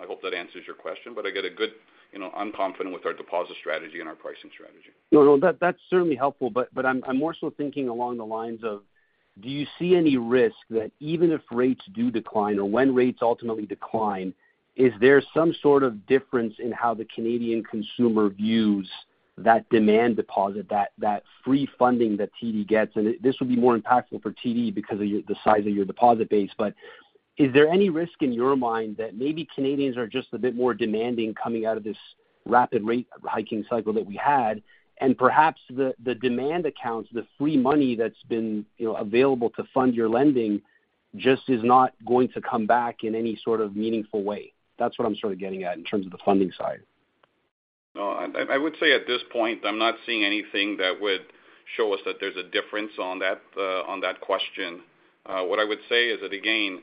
I hope that answers your question, but I get a good, you know, I'm confident with our deposit strategy and our pricing strategy. No, no. That, that's certainly helpful. But, but I'm, I'm more so thinking along the lines of, do you see any risk that even if rates do decline or when rates ultimately decline, is there some sort of difference in how the Canadian consumer views that demand deposit, that, that free funding that TD gets? And this would be more impactful for TD because of the size of your deposit base. But is there any risk in your mind that maybe Canadians are just a bit more demanding coming out of this rapid rate hiking cycle that we had, and perhaps the, the demand accounts, the free money that's been, you know, available to fund your lending just is not going to come back in any sort of meaningful way? That's what I'm sort of getting at in terms of the funding side. No, I would say at this point, I'm not seeing anything that would show us that there's a difference on that question. What I would say is that, again,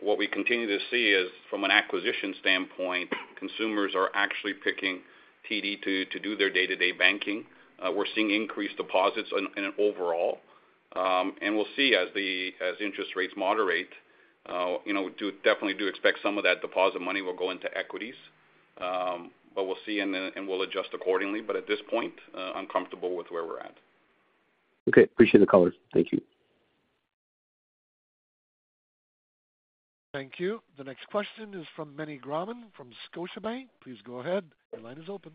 what we continue to see is from an acquisition standpoint, consumers are actually picking TD to do their day-to-day banking. We're seeing increased deposits overall. And we'll see as the interest rates moderate, you know, definitely expect some of that deposit money will go into equities. But we'll see and then we'll adjust accordingly. But at this point, I'm comfortable with where we're at. Okay. Appreciate the color. Thank you. Thank you. The next question is from Meny Grauman from Scotiabank. Please go ahead. Your line is open.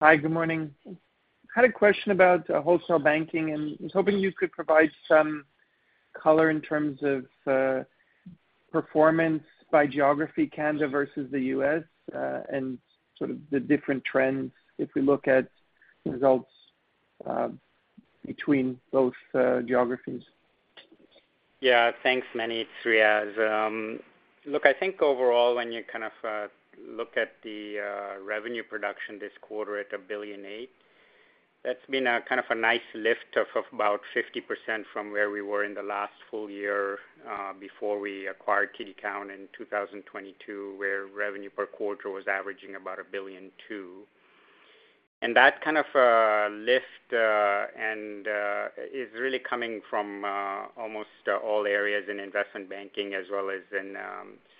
Hi. Good morning. I had a question about Wholesale Banking, and I was hoping you could provide some color in terms of performance by geography, Canada versus the U.S., and sort of the different trends if we look at results between both geographies. Yeah. Thanks, Meny, it's Riaz. Look, I think overall, when you kind of look at the revenue production this quarter at $1.8 billion, that's been a kind of a nice lift of about 50% from where we were in the last full year, before we acquired TD Cowen in 2022, where revenue per quarter was averaging about $1.2 billion. And that kind of a lift is really coming from almost all areas in investment banking as well as in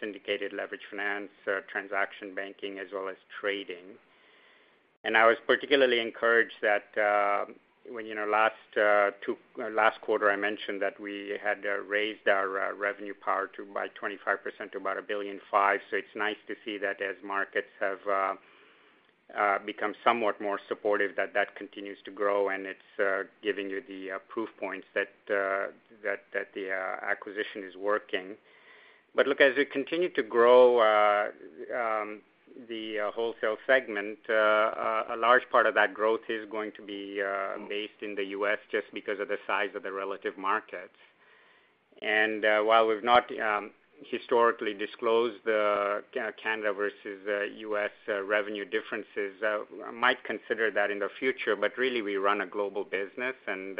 syndicated leverage finance, transaction banking as well as trading. And I was particularly encouraged that, when you know, last two quarters, I mentioned that we had raised our revenue power to by 25% to about $1.5 billion. So it's nice to see that as markets have become somewhat more supportive, that that continues to grow, and it's giving you the proof points that that that the acquisition is working. But look, as we continue to grow the wholesale segment, a large part of that growth is going to be based in the U.S. just because of the size of the relative markets. And while we've not historically disclosed the Canada versus U.S. revenue differences, might consider that in the future. But really, we run a global business, and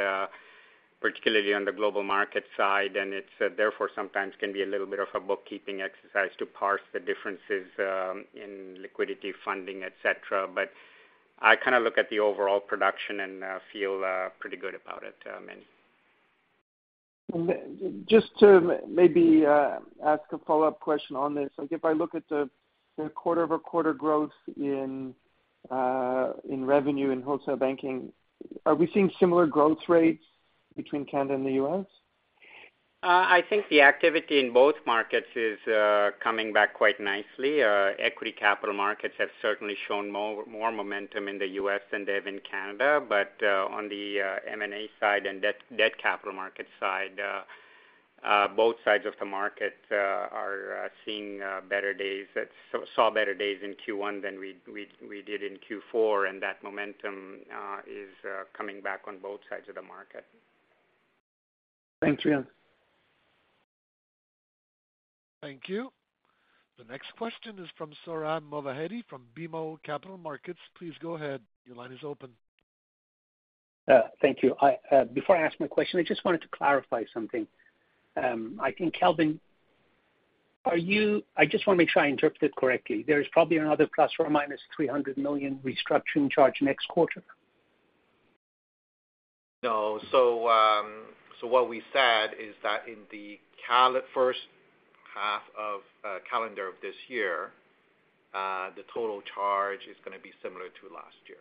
particularly on the global market side, and it's therefore sometimes can be a little bit of a bookkeeping exercise to parse the differences in liquidity, funding, etc. But I kind of look at the overall production and feel pretty good about it, Meny. Just to maybe ask a follow-up question on this. Like, if I look at the quarter-over-quarter growth in revenue in wholesale banking, are we seeing similar growth rates between Canada and the U.S.? I think the activity in both markets is coming back quite nicely. Equity capital markets have certainly shown more momentum in the U.S. than they have in Canada. But on the M&A side and debt capital market side, both sides of the market are seeing better days. It saw better days in Q1 than we did in Q4. And that momentum is coming back on both sides of the market. Thanks, Riaz. Thank you. The next question is from Sohrab Movahedi from BMO Capital Markets. Please go ahead. Your line is open. Thank you. I, before I ask my question, I just wanted to clarify something. I think Kelvin, I just want to make sure I interpret it correctly. There's probably another ± 300 million restructuring charge next quarter? No. So what we said is that in the first half of the calendar year, the total charge is going to be similar to last year.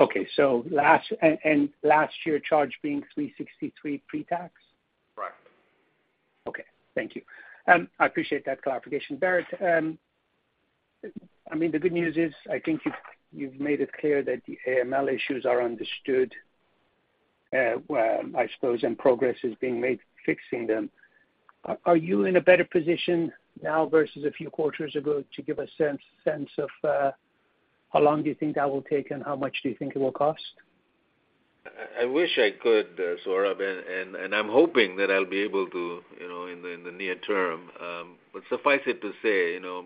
Okay. So last year charge being 363 pre-tax? Correct. Okay. Thank you. I appreciate that clarification, Barrett. I mean, the good news is I think you've made it clear that the AML issues are understood, well, I suppose, and progress is being made fixing them. Are you in a better position now versus a few quarters ago to give a sense of how long do you think that will take and how much do you think it will cost? I wish I could, Sohrab, and I'm hoping that I'll be able to, you know, in the near term. But suffice it to say, you know,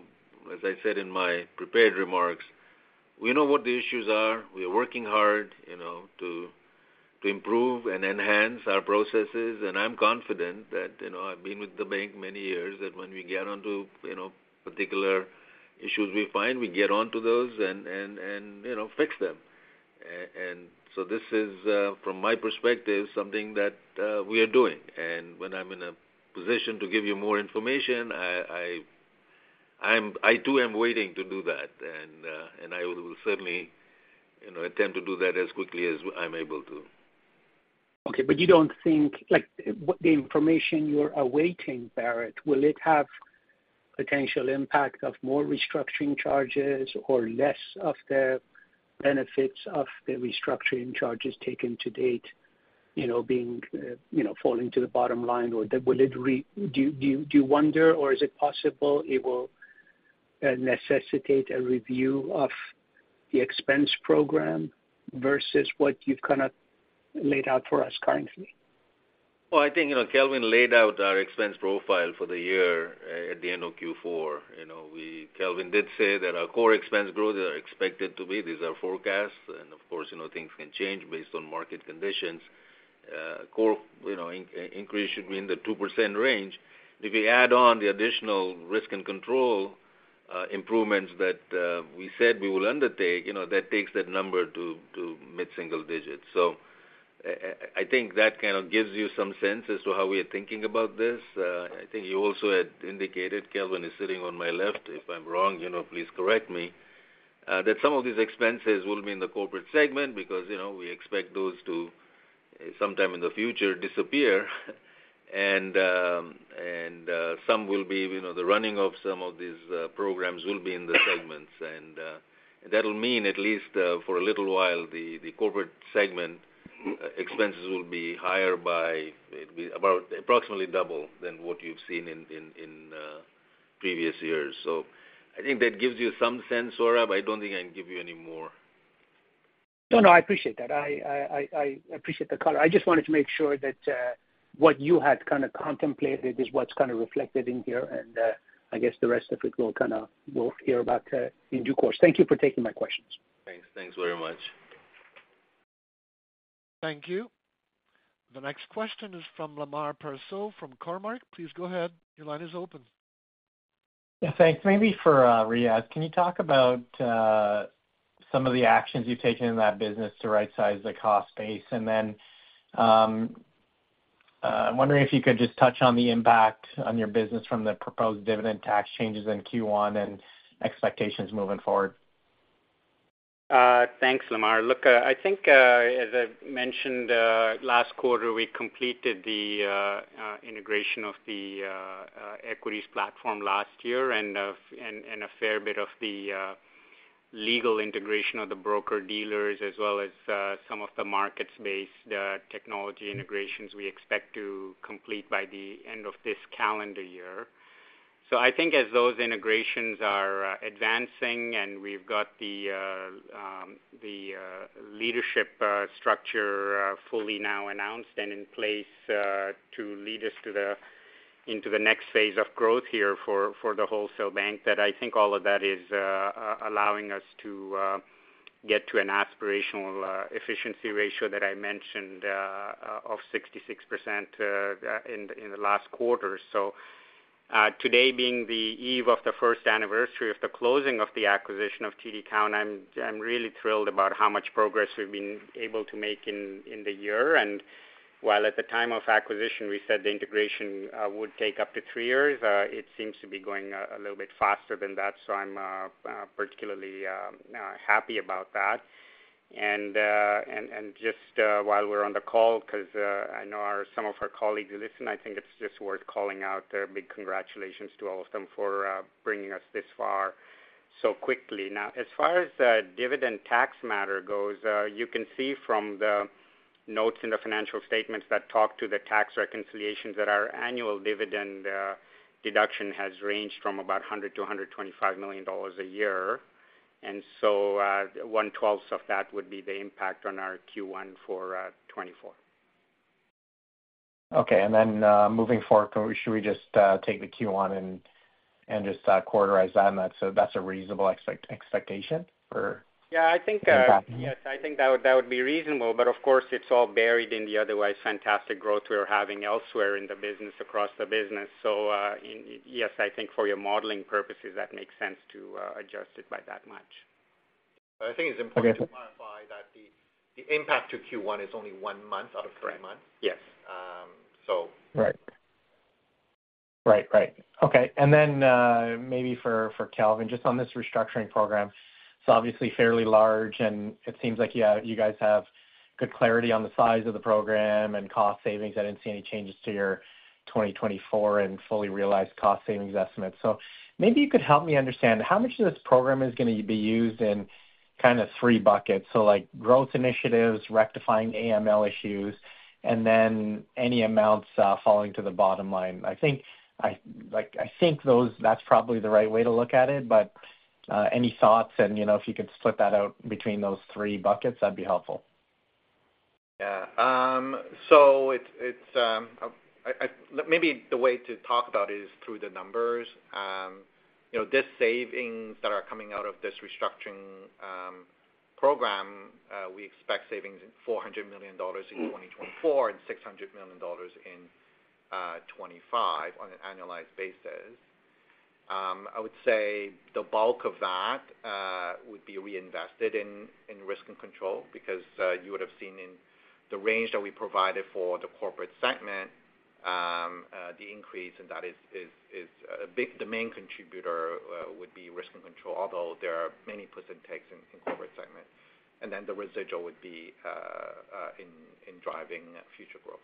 as I said in my prepared remarks, we know what the issues are. We are working hard, you know, to improve and enhance our processes. And I'm confident that, you know, I've been with the bank many years, that when we get onto, you know, particular issues we find, we get onto those and, you know, fix them. And so this is, from my perspective, something that we are doing. And when I'm in a position to give you more information, I too am waiting to do that. And I will certainly, you know, attempt to do that as quickly as I'm able to. Okay. But you don't think like, what the information you're awaiting, Barrett, will it have potential impact of more restructuring charges or less of the benefits of the restructuring charges taken to date, you know, being, you know, falling to the bottom line? Or that will it re do you, do you wonder, or is it possible it will necessitate a review of the expense program versus what you've kind of laid out for us currently? Well, I think, you know, Kelvin laid out our expense profile for the year, at the end of Q4. You know, Kelvin did say that our core expense growth is expected to be. These are forecasts. And of course, you know, things can change based on market conditions. Core, you know, increase should be in the 2% range. If you add on the additional risk and control improvements that we said we will undertake, you know, that takes that number to mid-single digits. So I think that kind of gives you some sense as to how we are thinking about this. I think Kelvin also had indicated. Kelvin is sitting on my left. If I'm wrong, you know, please correct me, that some of these expenses will be in the corporate segment because, you know, we expect those to sometime in the future disappear. And some will be, you know, the running of some of these programs will be in the segments. And that'll mean at least, for a little while, the corporate segment expenses will be higher by it'll be about approximately double than what you've seen in previous years. So I think that gives you some sense, Sohrab. But I don't think I can give you any more. No, no. I appreciate that. I appreciate the color. I just wanted to make sure that what you had kind of contemplated is what's kind of reflected in here. And I guess the rest of it will kind of we'll hear about in due course. Thank you for taking my questions. Thanks. Thanks very much. Thank you. The next question is from Lemar Persaud from Cormark. Please go ahead. Your line is open. Yeah. Thanks. Maybe for Theresa, can you talk about some of the actions you've taken in that business to right-size the cost base? And then, I'm wondering if you could just touch on the impact on your business from the proposed dividend tax changes in Q1 and expectations moving forward. Thanks, Lemar. Look, I think, as I mentioned last quarter, we completed the integration of the equities platform last year and a fair bit of the legal integration of the broker-dealers as well as some of the markets-based technology integrations we expect to complete by the end of this calendar year. So I think as those integrations are advancing and we've got the leadership structure fully now announced and in place to lead us into the next phase of growth here for the wholesale bank, that I think all of that is allowing us to get to an aspirational efficiency ratio that I mentioned of 66% in the last quarter. So, today being the eve of the first anniversary of the closing of the acquisition of TD Cowen, I'm really thrilled about how much progress we've been able to make in the year. And while at the time of acquisition, we said the integration would take up to three years, it seems to be going a little bit faster than that. So I'm particularly happy about that. And just, while we're on the call because I know some of our colleagues listen, I think it's just worth calling out big congratulations to all of them for bringing us this far so quickly. Now, as far as the dividend tax matter goes, you can see from the notes in the financial statements that talk to the tax reconciliations that our annual dividend deduction has ranged from about 100 million-125 million dollars a year. So, 1/12th of that would be the impact on our Q1 for 2024. Okay. Then, moving forward, should we just take the Q1 and just quarterize on that? So that's a reasonable expectation for impact? Yeah. I think, yes. I think that would that would be reasonable. But of course, it's all buried in the otherwise fantastic growth we're having elsewhere in the business across the business. So, in yes, I think for your modeling purposes, that makes sense to adjust it by that much. But I think it's important to clarify that the impact to Q1 is only one month out of three months. Correct. Yes. so. Right. Right, right. Okay. And then, maybe for, for Kelvin, just on this restructuring program. It's obviously fairly large, and it seems like, yeah, you guys have good clarity on the size of the program and cost savings. I didn't see any changes to your 2024 and fully realized cost savings estimates. So maybe you could help me understand how much of this program is going to be used in kind of three buckets. So, like, I think I like, I think those that's probably the right way to look at it. But, any thoughts and, you know, if you could split that out between those three buckets, that'd be helpful. Yeah. So it's, I maybe the way to talk about it is through the numbers. You know, this savings that are coming out of this restructuring program, we expect savings in 400 million dollars in 2024 and 600 million dollars in 2025 on an annualized basis. I would say the bulk of that would be reinvested in risk and control because you would have seen in the range that we provided for the corporate segment, the increase, and that is the main contributor would be risk and control, although there are many percent takes in corporate segment. And then the residual would be in driving future growth.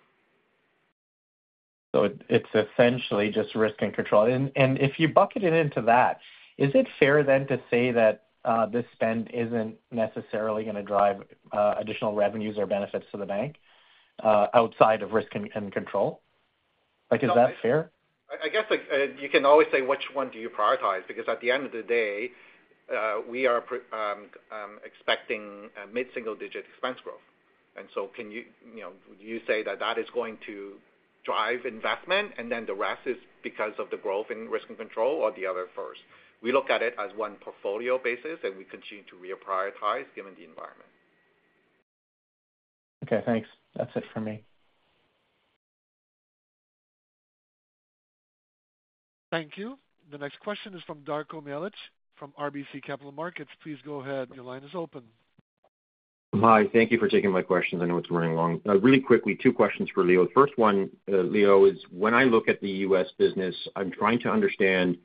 So it's essentially just risk and control. And if you bucket it into that, is it fair then to say that this spend isn't necessarily going to drive additional revenues or benefits to the bank, outside of risk and control? Like, is that fair? So, I guess, like, you can always say which one do you prioritize because at the end of the day, we are expecting mid-single-digit expense growth. So, can you, you know, would you say that is going to drive investment, and then the rest is because of the growth in risk and control or the other first? We look at it as one portfolio basis, and we continue to reprioritize given the environment. Okay. Thanks. That's it from me. Thank you. The next question is from Darko Mihelic from RBC Capital Markets. Please go ahead. Your line is open. Hi. Thank you for taking my questions. I know it's running long. Really quickly, two questions for Leo. The first one, Leo, is when I look at the U.S. business, I'm trying to understand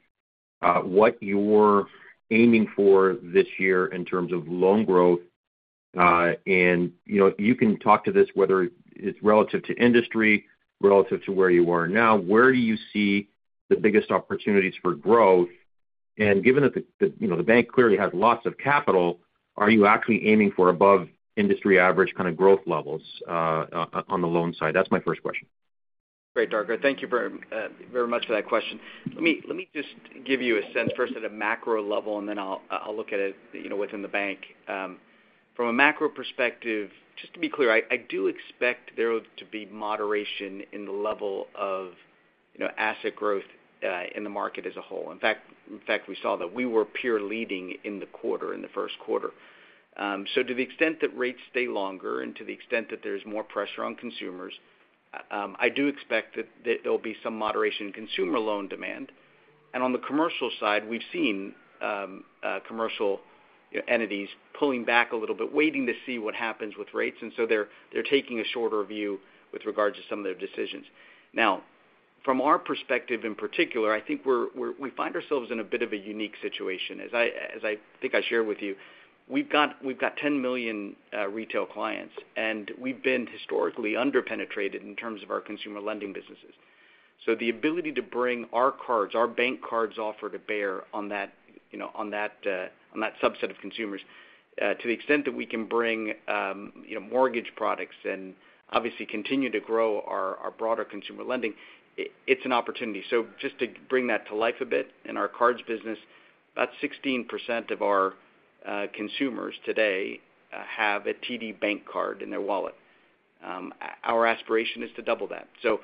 what you're aiming for this year in terms of loan growth. And, you know, you can talk to this whether it's relative to industry, relative to where you are now. Where do you see the biggest opportunities for growth? And given that the, you know, the bank clearly has lots of capital, are you actually aiming for above-industry-average kind of growth levels, on the loan side? That's my first question. Great, Darko. Thank you very, very much for that question. Let me just give you a sense first at a macro level, and then I'll look at it, you know, within the bank. From a macro perspective, just to be clear, I do expect there to be moderation in the level of, you know, asset growth, in the market as a whole. In fact, we saw that we were purely leading in the quarter, in the first quarter. So to the extent that rates stay longer and to the extent that there's more pressure on consumers, I do expect that there'll be some moderation in consumer loan demand. And on the commercial side, we've seen commercial, you know, entities pulling back a little bit, waiting to see what happens with rates. And so they're taking a shorter view with regards to some of their decisions. Now, from our perspective in particular, I think we find ourselves in a bit of a unique situation. As I think I shared with you, we've got 10 million retail clients, and we've been historically underpenetrated in terms of our consumer lending businesses. So the ability to bring our cards, our bank cards offer to bear on that, you know, on that subset of consumers, to the extent that we can bring, you know, mortgage products and obviously continue to grow our broader consumer lending, it's an opportunity. So just to bring that to life a bit in our cards business, about 16% of our consumers today have a TD Bank card in their wallet. Our aspiration is to double that. So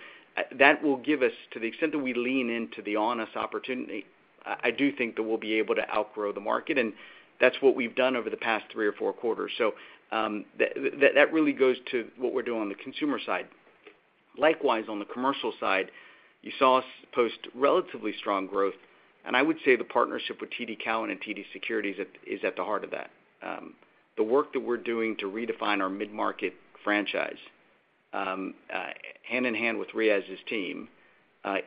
that will give us to the extent that we lean into the honest opportunity, I, I do think that we'll be able to outgrow the market. And that's what we've done over the past three or four quarters. So, that, that, that really goes to what we're doing on the consumer side. Likewise, on the commercial side, you saw us post relatively strong growth. And I would say the partnership with TD Cowen and TD Securities is at the heart of that. The work that we're doing to redefine our mid-market franchise, hand in hand with Theresa's team,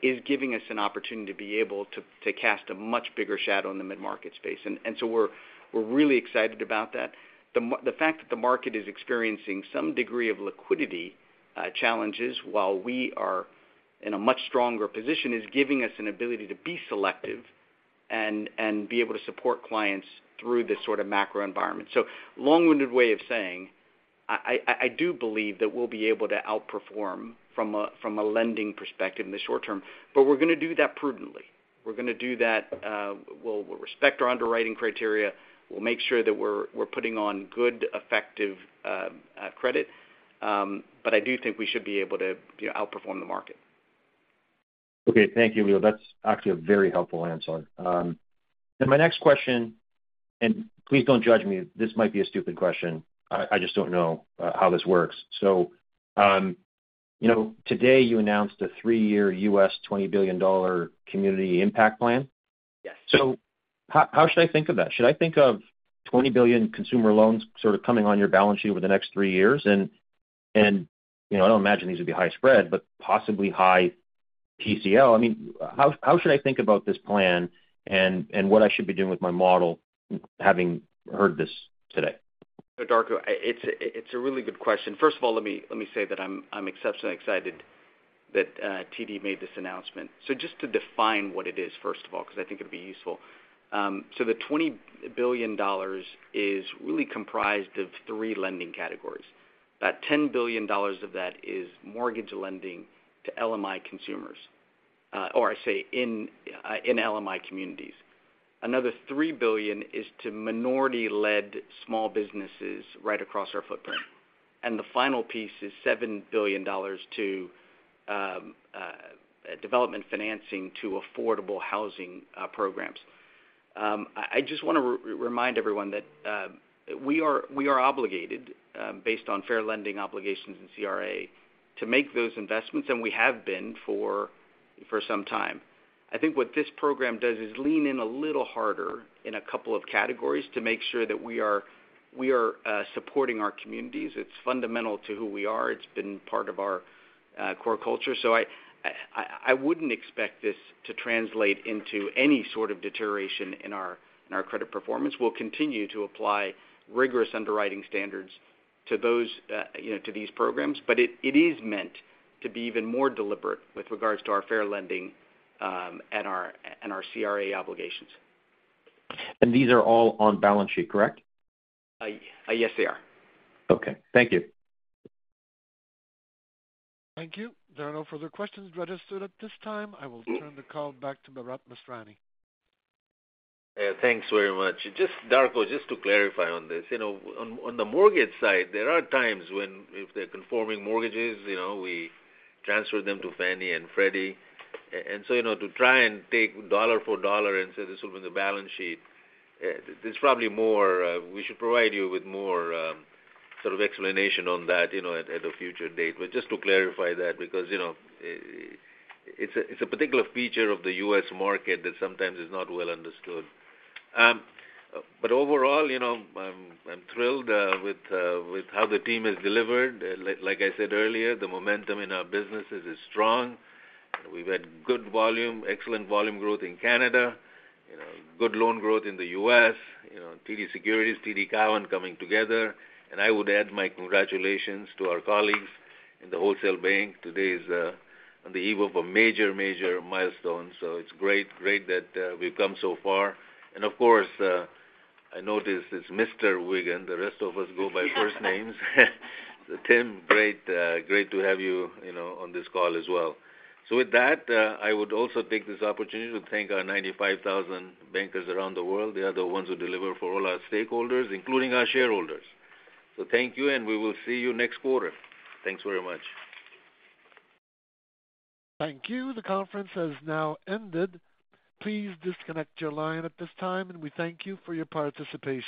is giving us an opportunity to be able to, to cast a much bigger shadow in the mid-market space. And, and so we're, we're really excited about that. The fact that the market is experiencing some degree of liquidity challenges while we are in a much stronger position is giving us an ability to be selective and be able to support clients through this sort of macro environment. So long-winded way of saying, I do believe that we'll be able to outperform from a lending perspective in the short term. But we're going to do that prudently. We're going to do that, we'll respect our underwriting criteria. We'll make sure that we're putting on good, effective credit. But I do think we should be able to, you know, outperform the market. Okay. Thank you, Leo. That's actually a very helpful answer. My next question and please don't judge me. This might be a stupid question. I, I just don't know how this works. So, you know, today, you announced a three-year U.S. $20 billion community impact plan. Yes. So how, how should I think of that? Should I think of 20 billion consumer loans sort of coming on your balance sheet over the next three years? And, and, you know, I don't imagine these would be high spread, but possibly high PCL. I mean, how, how should I think about this plan and, and what I should be doing with my model having heard this today? So, Darko, it's a really good question. First of all, let me say that I'm exceptionally excited that TD made this announcement. So just to define what it is, first of all, because I think it'll be useful. So the $20 billion is really comprised of three lending categories. About $10 billion of that is mortgage lending to LMI consumers, or, I say, in LMI communities. Another $3 billion is to minority-led small businesses right across our footprint. And the final piece is $7 billion to development financing to affordable housing programs. I just want to remind everyone that we are obligated, based on fair lending obligations and CRA, to make those investments. And we have been for some time. I think what this program does is lean in a little harder in a couple of categories to make sure that we are supporting our communities. It's fundamental to who we are. It's been part of our core culture. So I wouldn't expect this to translate into any sort of deterioration in our credit performance. We'll continue to apply rigorous underwriting standards to those, you know, to these programs. But it is meant to be even more deliberate with regards to our fair lending, and our CRA obligations. These are all on balance sheet, correct? Yes, they are. Okay. Thank you. Thank you. There are no further questions registered at this time. I will turn the call back to Bharat Masrani. Yeah. Thanks very much. Just, Darko, to clarify on this. You know, on the mortgage side, there are times when if they're conforming mortgages, you know, we transfer them to Fannie and Freddie. And so, you know, to try and take dollar for dollar and say, "This will be the balance sheet," there's probably more we should provide you with more, sort of explanation on that, you know, at a future date. But just to clarify that because, you know, it's a particular feature of the U.S. market that sometimes is not well understood. But overall, you know, I'm thrilled with how the team has delivered. Like I said earlier, the momentum in our businesses is strong. We've had good volume, excellent volume growth in Canada, you know, good loan growth in the U.S., you know, TD Securities, TD Cowen coming together. I would add my congratulations to our colleagues in the wholesale bank. Today is on the eve of a major, major milestone. It's great, great that we've come so far. Of course, I notice it's Mr. Wiggan. The rest of us go by first names. Tim, great, great to have you, you know, on this call as well. With that, I would also take this opportunity to thank our 95,000 bankers around the world, the other ones who deliver for all our stakeholders, including our shareholders. Thank you, and we will see you next quarter. Thanks very much. Thank you. The conference has now ended. Please disconnect your line at this time, and we thank you for your participation.